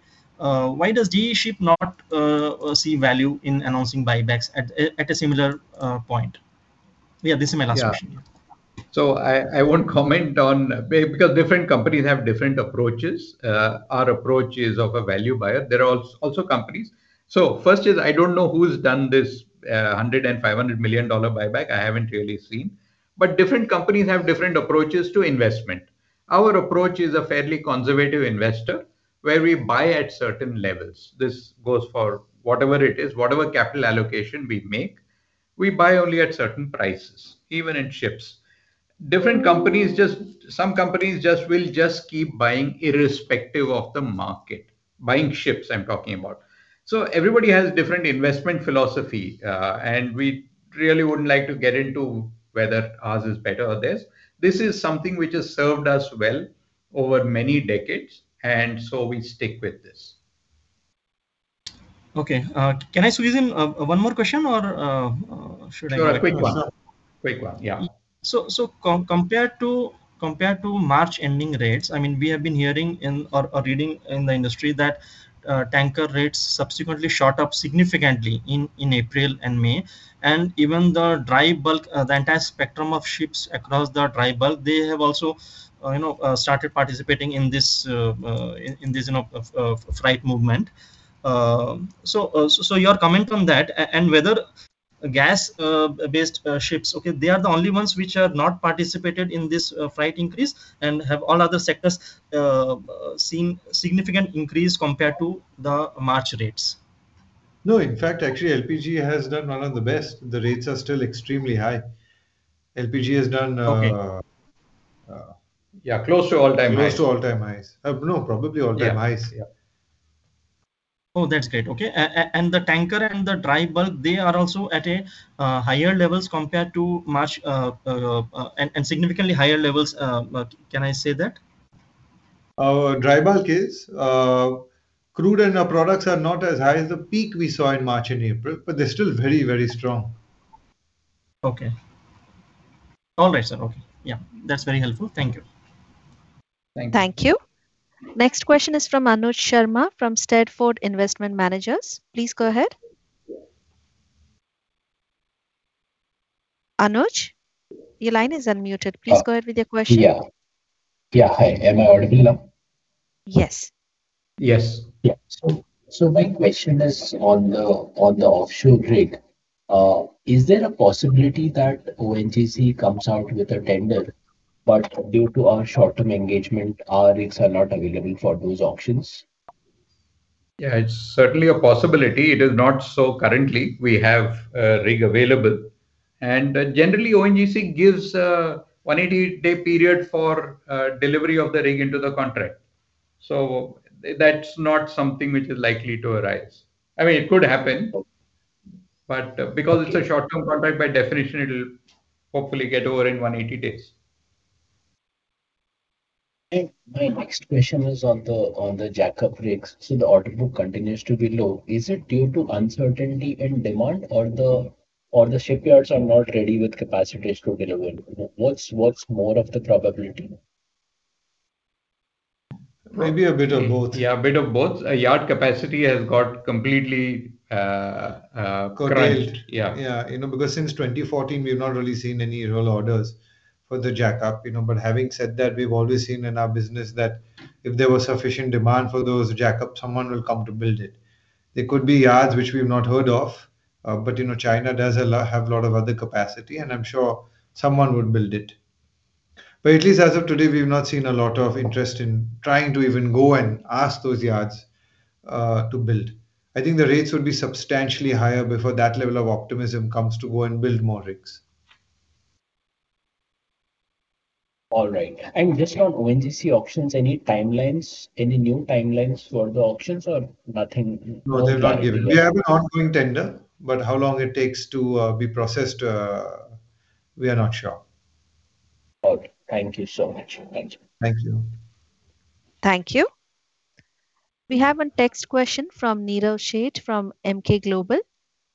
why does GE Ship not see value in announcing buybacks at a similar point? Yeah, this is my last question. I won't comment on because different companies have different approaches. Our approach is of a value buyer. There are also companies. First is I don't know who's done this, $100 million and $500 million buyback. I haven't really seen. Different companies have different approaches to investment. Our approach is a fairly conservative investor, where we buy at certain levels. This goes for whatever it is. Whatever capital allocation we make, we buy only at certain prices, even in ships. Different companies, some companies will just keep buying irrespective of the market. Buying ships, I'm talking about. Everybody has different investment philosophy, and we really wouldn't like to get into whether ours is better or theirs. This is something which has served us well over many decades, and we stick with this. Okay. Can I squeeze in one more question or should I let others ask? Sure, a quick one. Quick one, yeah. Compared to March ending rates, I mean, we have been hearing in or reading in the industry that tanker rates subsequently shot up significantly in April and May. Even the dry bulk, the entire spectrum of ships across the dry bulk, they have also, you know, started participating in this, in this, you know, freight movement. Your comment on that and whether gas based ships, okay, they are the only ones which have not participated in this freight increase, and have all other sectors seen significant increase compared to the March rates? No. In fact, actually, LPG has done one of the best. The rates are still extremely high. LPG has done. Okay. Yeah, close to all-time highs. Close to all-time highs. No, probably all-time highs. Yeah. Oh, that's great. Okay. The tanker and the dry bulk, they are also at a higher levels compared to March and significantly higher levels, can I say that? Dry bulk is. Crude and our products are not as high as the peak we saw in March and April, but they're still very, very strong. Okay. All right, sir. Okay. That's very helpful. Thank you. Thank you. Thank you. Next question is from Anuj Sharma from SteadFort Investment Managers. Please go ahead. Anuj, your line is unmuted. Please go ahead with your question. Yeah. Yeah, hi. Am I audible now? Yes. Yes. Yeah. My question is on the offshore rig. Is there a possibility that ONGC comes out with a tender, but due to our short-term engagement, our rigs are not available for those auctions? Yeah, it's certainly a possibility. It is not so currently. We have a rig available. Generally ONGC gives a 180-day period for delivery of the rig into the contract. That's not something which is likely to arise. I mean, it could happen. Okay. Because it's a short-term contract, by definition it'll hopefully get over in 180 days. My next question is on the jackup rigs. The order book continues to be low. Is it due to uncertainty in demand or the shipyards are not ready with capacities to deliver? What's more of the probability? Maybe a bit of both. Yeah, a bit of both. yard capacity has got completely crunched. Curtailed. Yeah. Yeah, you know, since 2014 we've not really seen any real orders for the jackup, you know. Having said that, we've always seen in our business that if there was sufficient demand for those jackup, someone will come to build it. They could be yards which we've not heard of, you know, China does a lot, have a lot of other capacity, and I'm sure someone would build it. At least as of today, we've not seen a lot of interest in trying to even go and ask those yards to build. I think the rates would be substantially higher before that level of optimism comes to go and build more rigs. All right. Just on ONGC auctions, any timelines, any new timelines for the auctions or nothing? No, they've not given. We have an ongoing tender, but how long it takes to be processed, we are not sure. Okay. Thank you so much. Thank you. Thank you. Thank you. We have a text question from Nirav Sheth from Emkay Global.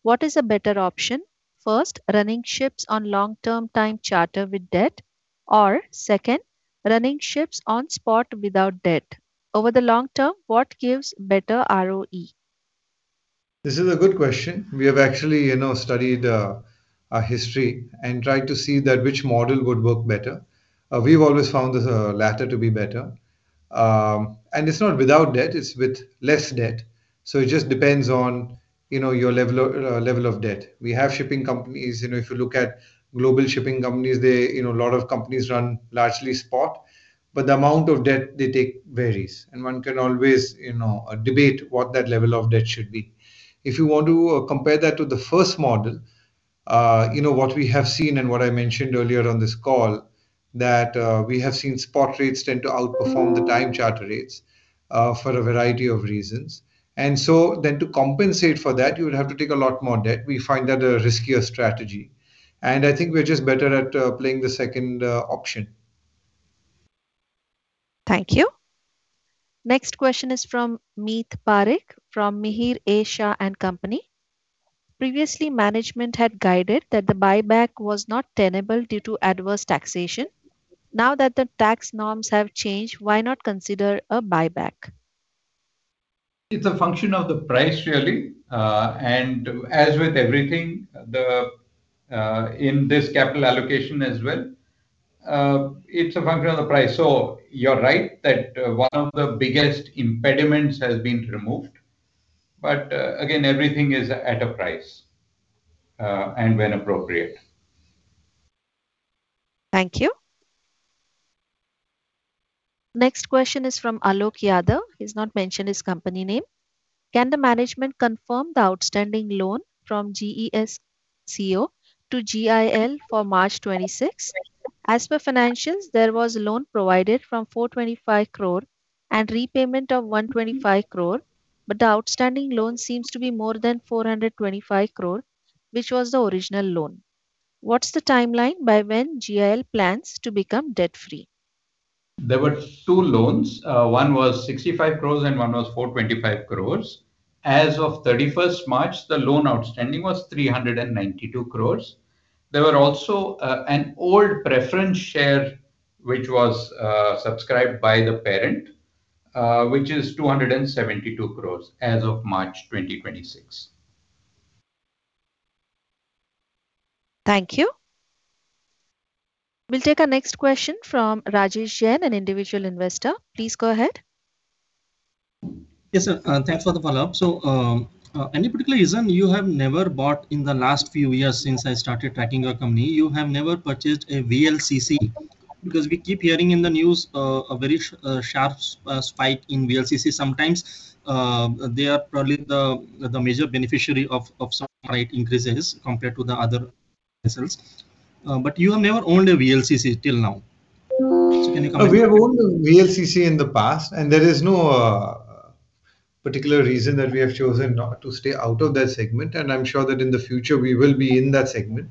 What is a better option, first, running ships on long-term time charter with debt, or second, running ships on spot without debt? Over the long term, what gives better ROE? This is a good question. We have actually, you know, studied our history and tried to see that which model would work better. We've always found the latter to be better. It's not without debt, it's with less debt, so it just depends on, you know, your level of debt. We have shipping companies, you know, if you look at global shipping companies they, you know, a lot of companies run largely spot, but the amount of debt they take varies, and one can always, you know, debate what that level of debt should be. If you want to compare that to the first model, you know, what we have seen and what I mentioned earlier on this call, that we have seen spot rates tend to outperform the time charter rates for a variety of reasons. To compensate for that, you would have to take a lot more debt. We find that a riskier strategy, and I think we're just better at playing the second option. Thank you. Next question is from [Meet Parekh] from [Mirer A Shah & Company]. Previously management had guided that the buyback was not tenable due to adverse taxation. Now that the tax norms have changed, why not consider a buyback? It's a function of the price really. As with everything, in this capital allocation as well, it's a function of the price. You're right that one of the biggest impediments has been removed. Again, everything is at a price, and when appropriate. Thank you. Next question is from Alok Yadav. He's not mentioned his company name. Can the management confirm the outstanding loan from GESCO to GIL for March 26? As per financials, there was a loan provided from 425 crore and repayment of 125 crore, but the outstanding loan seems to be more than 425 crore, which was the original loan. What's the timeline by when GIL plans to become debt-free? There were two loans. One was 65 crores and one was 425 crores. As of 31st March, the loan outstanding was 392 crores. There were also an old preference share which was subscribed by the parent, which is 272 crores as of March 2026. Thank you. We'll take our next question from Rajesh Sheen, an individual investor. Please go ahead. Yes, sir, thanks for the follow-up. Any particular reason you have never bought in the last few years since I started tracking your company, you have never purchased a VLCC, because we keep hearing in the news, a very sharp spike in VLCC sometimes? They are probably the major beneficiary of some freight increases compared to the other vessels. You have never owned a VLCC till now. Can you comment on that? We have owned a VLCC in the past, and there is no particular reason that we have chosen not to stay out of that segment, and I'm sure that in the future we will be in that segment.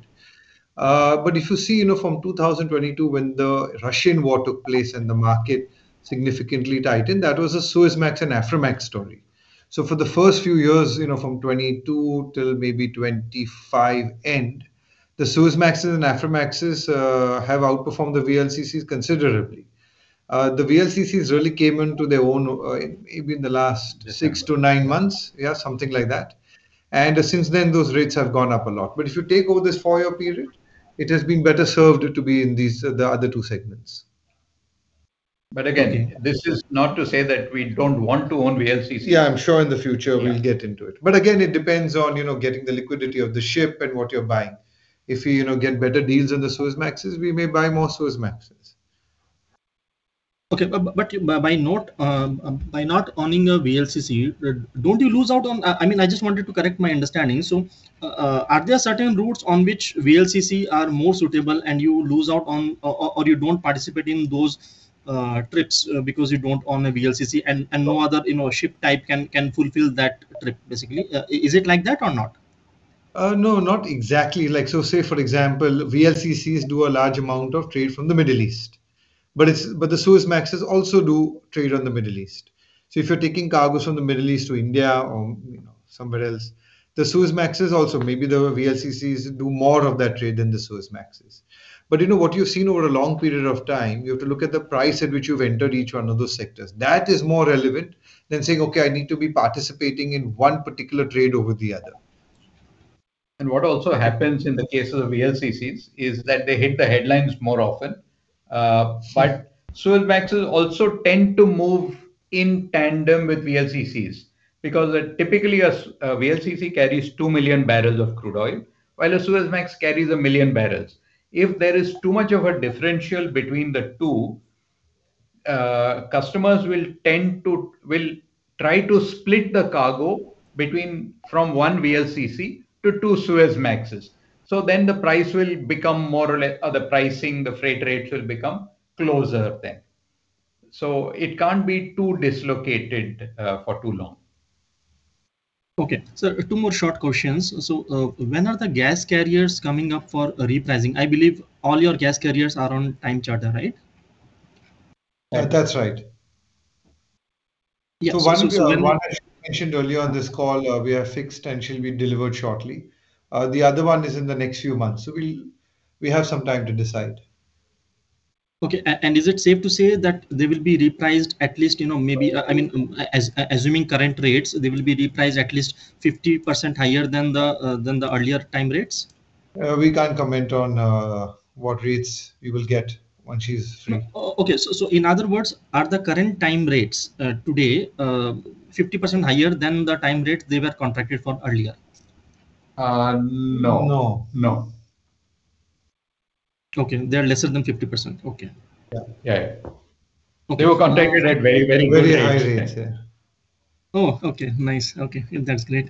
If you see, you know, from 2022 when the Russian war took place and the market significantly tightened, that was a Suezmax and Aframax story. For the first few years, you know, from 2022 till maybe 2025 end, the Suezmaxes and Aframaxes have outperformed the VLCCs considerably. The VLCCs really came into their own, maybe in the last 6-9 months. December. Yeah, something like that. Since then those rates have gone up a lot. If you take over this 4-year period, it has been better served to be in these, the other two segments. Again, this is not to say that we don't want to own VLCC. Yeah, I'm sure in the future we'll get into it. Again, it depends on, you know, getting the liquidity of the ship and what you're buying. If you know, get better deals on the Suezmaxes, we may buy more Suezmaxes. Okay. But by not owning a VLCC, don't you lose out on? I mean, I just wanted to correct my understanding. Are there certain routes on which VLCC are more suitable and you lose out on or you don't participate in those trips because you don't own a VLCC and no other, you know, ship type can fulfill that trip, basically? Is it like that or not? No, not exactly like so. Say, for example, VLCCs do a large amount of trade from the Middle East, but the Suezmaxes also do trade on the Middle East. If you're taking cargos from the Middle East to India or, you know, somewhere else, the Suezmaxes also, maybe the VLCCs do more of that trade than the Suezmaxes. You know, what you've seen over a long period of time, you have to look at the price at which you've entered each one of those sectors. That is more relevant than saying, "Okay, I need to be participating in one particular trade over the other. What also happens in the case of VLCCs is that they hit the headlines more often. Yes Suezmaxes also tend to move in tandem with VLCCs because typically a VLCC carries 2 million barrels of crude oil, while a Suezmax carries 1 MMbbl. If there is too much of a differential between the two, customers will try to split the cargo between from one VLCC to two Suezmaxes. The price will become more or the pricing, the freight rates will become closer then. It can't be too dislocated for too long. Okay. So two more short questions. When are the gas carriers coming up for repricing? I believe all your gas carriers are on time charter, right? That's right. Yeah. One I mentioned earlier on this call, we have fixed and she'll be delivered shortly. The other one is in the next few months, so we'll have some time to decide. Okay. Is it safe to say that they will be repriced at least, you know? I mean, assuming current rates, they will be repriced at least 50% higher than the earlier time rates? We can't comment on what rates we will get once she's free. No. Okay. In other words, are the current time rates, today, 50% higher than the time rate they were contracted for earlier? No. No. No. Okay. They're lesser than 50%? Okay. Yeah. Yeah, yeah. Okay. They were contracted at very good rates. Very high rates, yeah. Oh, okay. Nice. Okay. That's great.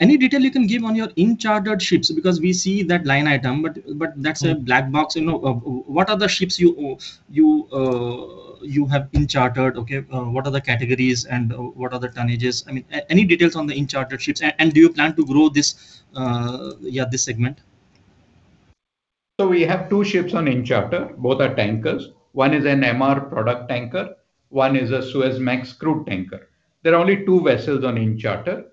Any detail you can give on your in-chartered ships, because we see that line item but that's a black box, you know. What are the ships you have in-chartered, okay? What are the categories and what are the tonnages? I mean, any details on the in-chartered ships. Do you plan to grow this, yeah, this segment? We have two ships on in-charter, both are tankers. one is an MR product tanker, one is a Suezmax crude tanker. There are only two vessels on in-charter.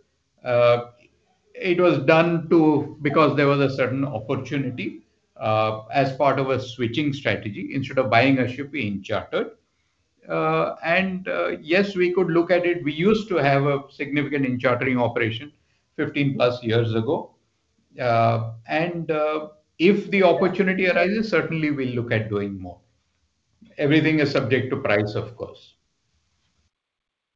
It was done to because there was a certain opportunity as part of a switching strategy. Instead of buying a ship, we in-chartered. Yes, we could look at it. We used to have a significant in-chartering operation 15+ years ago. If the opportunity arises, certainly we'll look at doing more. Everything is subject to price, of course.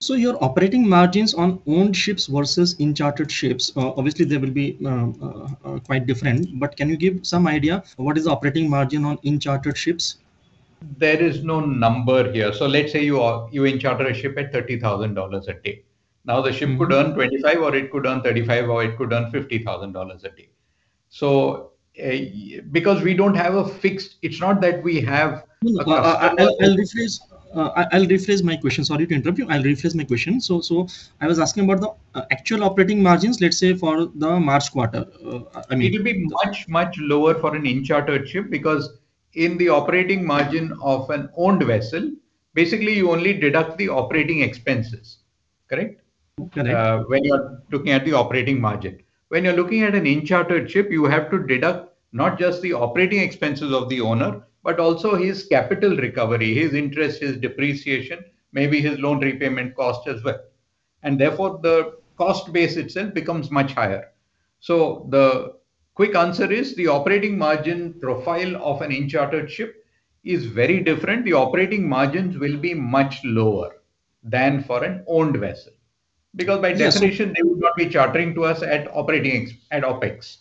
Your operating margins on owned ships versus in-chartered ships, obviously they will be quite different, but can you give some idea of what is the operating margin on in-chartered ships? There is no number here. Let's say you in-charter a ship at $30,000 a day. The ship. could earn $25,000 or it could earn $35.000 Or it could earn $50,000 a day. Because we don't have a fixed. It's not that we have a cost. No, No. No, I'll rephrase, I'll rephrase my question. Sorry to interrupt you. I'll rephrase my question. I was asking about the actual operating margins, let's say, for the March quarter. It'll be much, much lower for an in-chartered ship because in the operating margin of an owned vessel, basically you only deduct the operating expenses. Correct? Correct. When you are looking at the operating margin. When you're looking at an in-chartered ship, you have to deduct not just the operating expenses of the owner, but also his capital recovery, his interest, his depreciation, maybe his loan repayment cost as well, and therefore the cost base itself becomes much higher. The quick answer is the operating margin profile of an in-chartered ship is very different. The operating margins will be much lower than for an owned vessel. Yes. Because by definition they would not be chartering to us at OpEx.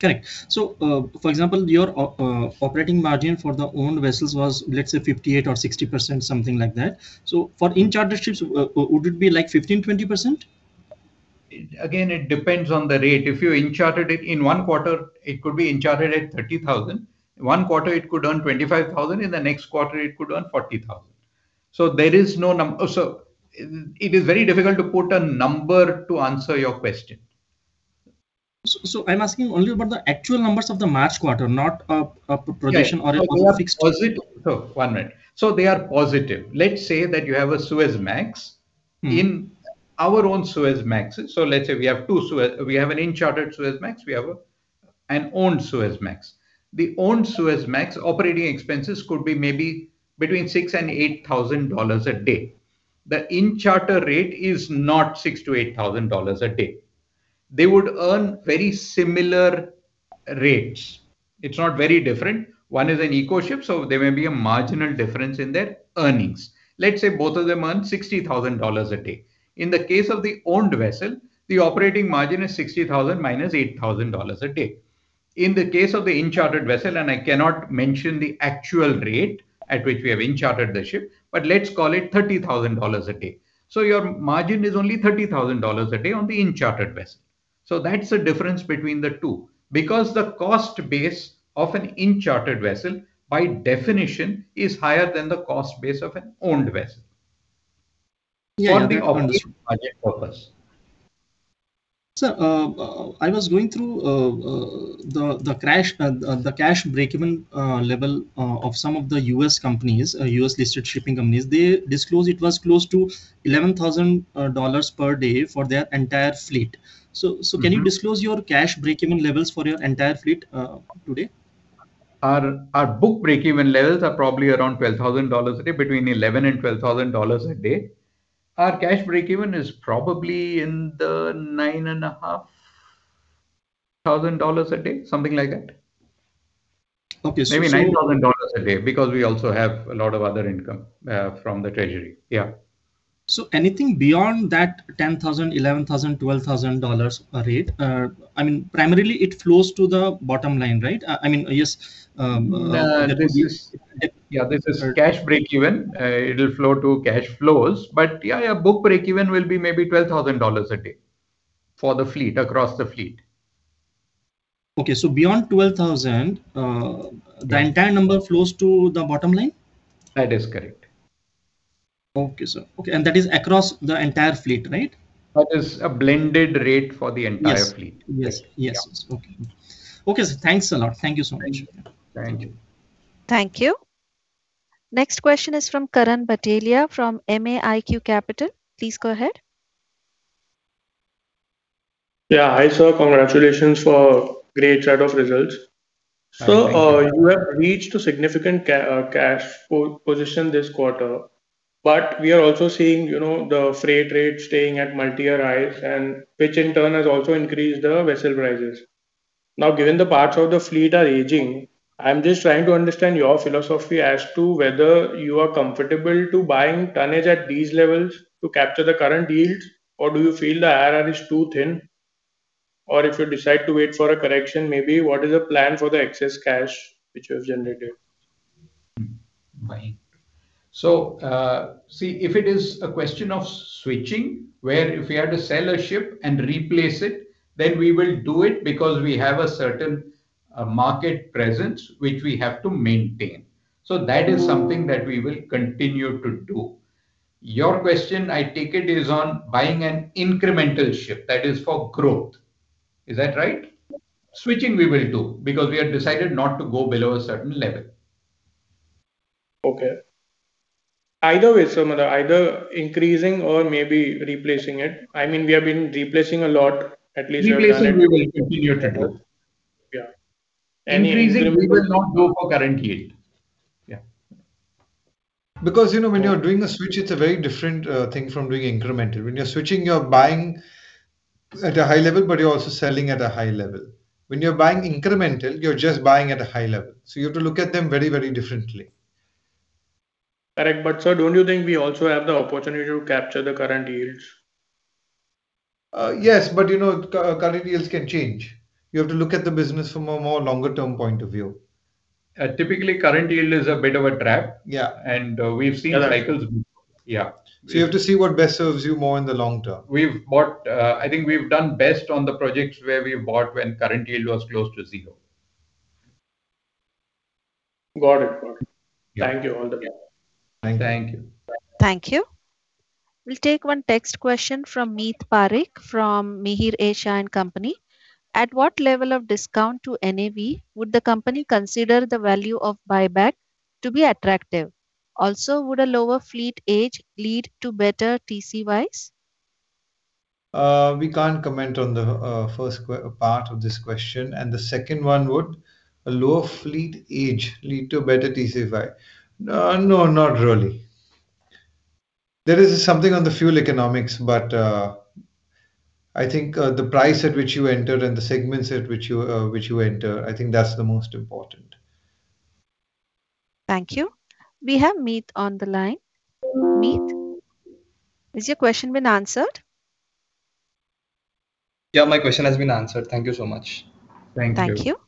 Correct. For example, your operating margin for the owned vessels was, let's say, 58% or 60%, something like that. For in-chartered ships, would it be, like, 15%, 20%? It, again, it depends on the rate. If you in-chartered it in one quarter, it could be in-chartered at $30,000. One quarter it could earn $25,000, in the next quarter it could earn $40,000. There is no so it is very difficult to put a number to answer your question. I'm asking only about the actual numbers of the March quarter, not a projection. Yeah or a fixed- They are positive. One minute. They are positive. Let's say that you have a Suezmax. In our own Suezmaxes, so let's say we have an in-chartered Suezmax, we have a, an owned Suezmax. The owned Suezmax operating expenses could be maybe between $6,000 and $8,000 a day. The in-charter rate is not $6,000-$8,000 a day. They would earn very similar rates. It's not very different. One is an eco ship, so there may be a marginal difference in their earnings. Let's say both of them earn $60,000 a day. In the case of the owned vessel, the operating margin is $60,000 minus $8,000 a day. In the case of the in-chartered vessel, and I cannot mention the actual rate at which we have in-chartered the ship, but let's call it $30,000 a day. So your margin is only $30,000 a day on the in-chartered vessel. That's the difference between the two, because the cost base of an in-chartered vessel, by definition, is higher than the cost base of an owned vessel. Yeah, yeah. Okay for the operating budget purpose. Sir, I was going through the cash breakeven level of some of the U.S. companies, U.S.-listed shipping companies. They disclose it was close to $11,000 per day for their entire fleet. Can you disclose your cash breakeven levels for your entire fleet today? Our book breakeven levels are probably around $12,000 a day, between $11,000 and $12,000 a day. Our cash breakeven is probably in the $9,500 a day, something like that. Okay. Maybe $9,000 a day, because we also have a lot of other income, from the treasury. Yeah. Anything beyond that $10,000, $11,000, $12,000 a rate, I mean, primarily it flows to the bottom line, right? I mean, yes. Yeah. It- Yeah. This is cash breakeven. Uh- It'll flow to cash flows. Yeah, book breakeven will be maybe $12,000 a day for the fleet, across the fleet. Okay. beyond $12,000 Yeah the entire number flows to the bottom line? That is correct. Okay, sir. Okay. That is across the entire fleet, right? That is a blended rate for the entire- Yes fleet. Yes. Yes. Yes. Yeah. Okay. Okay, sir. Thanks a lot. Thank you so much. Thank you. Thank you. Next question is from Karan Bhatelia from MAIQ Capital. Please go ahead. Hi, sir. Congratulations for great set of results. Thank you. Sir, you have reached a significant cash position this quarter. We are also seeing, you know, the freight rates staying at multi-year highs and which, in turn, has also increased the vessel prices. Given the parts of the fleet are aging, I'm just trying to understand your philosophy as to whether you are comfortable to buying tonnage at these levels to capture the current deals, or do you feel the IRR is too thin? If you decide to wait for a correction maybe, what is the plan for the excess cash which you have generated? Right. See, if it is a question of switching where if we had to sell a ship and replace it, then we will do it because we have a certain market presence which we have to maintain. That is something that we will continue to do. Your question, I take it, is on buying an incremental ship, that is, for growth. Is that right? Yeah. Switching we will do, because we have decided not to go below a certain level. Okay. Either way, Shiva, either increasing or maybe replacing it. I mean, we have been replacing a lot, at least. Replacing we will continue to do. Yeah. Any incremental- Increasing we will not do for current yield. Yeah. You know, when you're doing a switch, it's a very different thing from doing incremental. When you're switching, you're buying at a high level, but you're also selling at a high level. When you're buying incremental, you're just buying at a high level. You have to look at them very, very differently. Correct. Sir, don't you think we also have the opportunity to capture the current yields? Yes, you know, current yields can change. You have to look at the business from a more longer-term point of view. Typically current yield is a bit of a trap. Yeah. we've seen- Yeah, that- cycles. Yeah. You have to see what best serves you more in the long-term. We've bought, I think we've done best on the projects where we bought when current yield was close to zero. Got it. Got it. Yeah. Thank you. All the best. Thank you. Thank you. Thank you. We'll take 1 text question from [Meet Parekh] from [Mirer A Shah & Company]. At what level of discount to NAV would the company consider the value of buyback to be attractive? Would a lower fleet age lead to better TCE-wise? We can't comment on the first part of this question. The second one, would a lower fleet age lead to better TC wise? No, not really. There is something on the fuel economics, but I think the price at which you enter and the segments at which you, which you enter, I think that's the most important. Thank you. We have Meet on the line. Meet, has your question been answered? Yeah, my question has been answered. Thank you so much. Thank you. Thank you.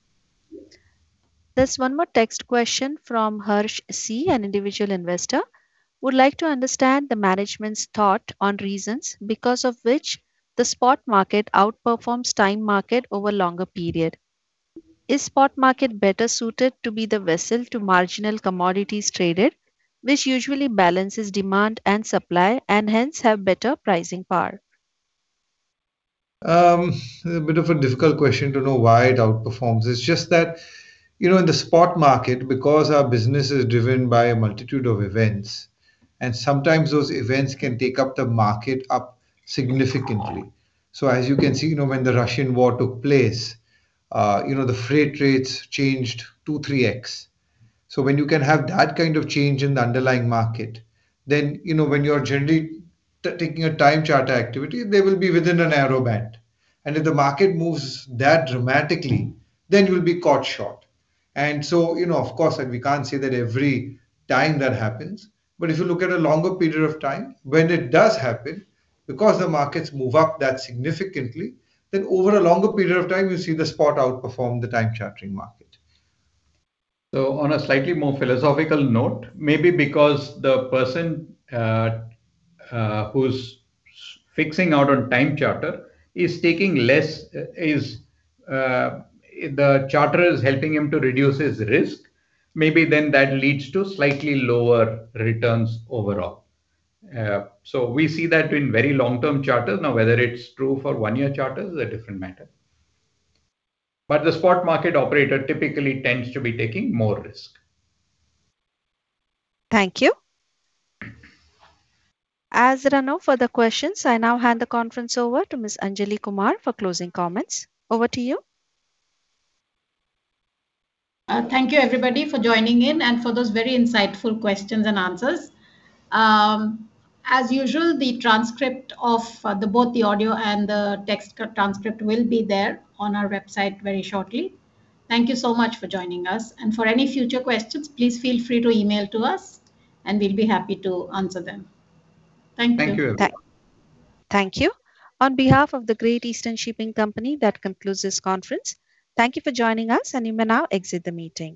There's one more text question from Harsh C, an individual investor. I would like to understand the management's thought on reasons because of which the spot market outperforms time market over longer period. Is spot market better suited to be the vessel to marginal commodities traded, which usually balances demand and supply and hence have better pricing power? A bit of a difficult question to know why it outperforms. It's just that, you know, in the spot market, because our business is driven by a multitude of events, and sometimes those events can take up the market up significantly. As you can see, you know, when the Russian War took place, you know, the freight rates changed 2, 3X. When you can have that kind of change in the underlying market, then, you know, when you are generally taking a time charter activity, they will be within a narrow band. If the market moves that dramatically, then you'll be caught short. Of course, you know, like, we can't say that every time that happens. If you look at a longer period of time, when it does happen, because the markets move up that significantly, then over a longer period of time you see the spot outperform the time chartering market. On a slightly more philosophical note, maybe because the person, who's fixing out on time charter is taking less, the charter is helping him to reduce his risk, maybe then that leads to slightly lower returns overall. We see that in very long-term charters. Now, whether it's true for one-year charters is a different matter. The spot market operator typically tends to be taking more risk. Thank you. As there are no further questions, I now hand the conference over to Ms. Anjali Kumar for closing comments. Over to you. Thank you everybody for joining in and for those very insightful questions-and-answers. As usual, the transcript of the both the audio and the text transcript will be there on our website very shortly. Thank you so much for joining us. For any future questions, please feel free to email to us and we'll be happy to answer them. Thank you. Thank you, everyone. Thank you. On behalf of The Great Eastern Shipping Company, that concludes this conference. Thank you for joining us, and you may now exit the meeting.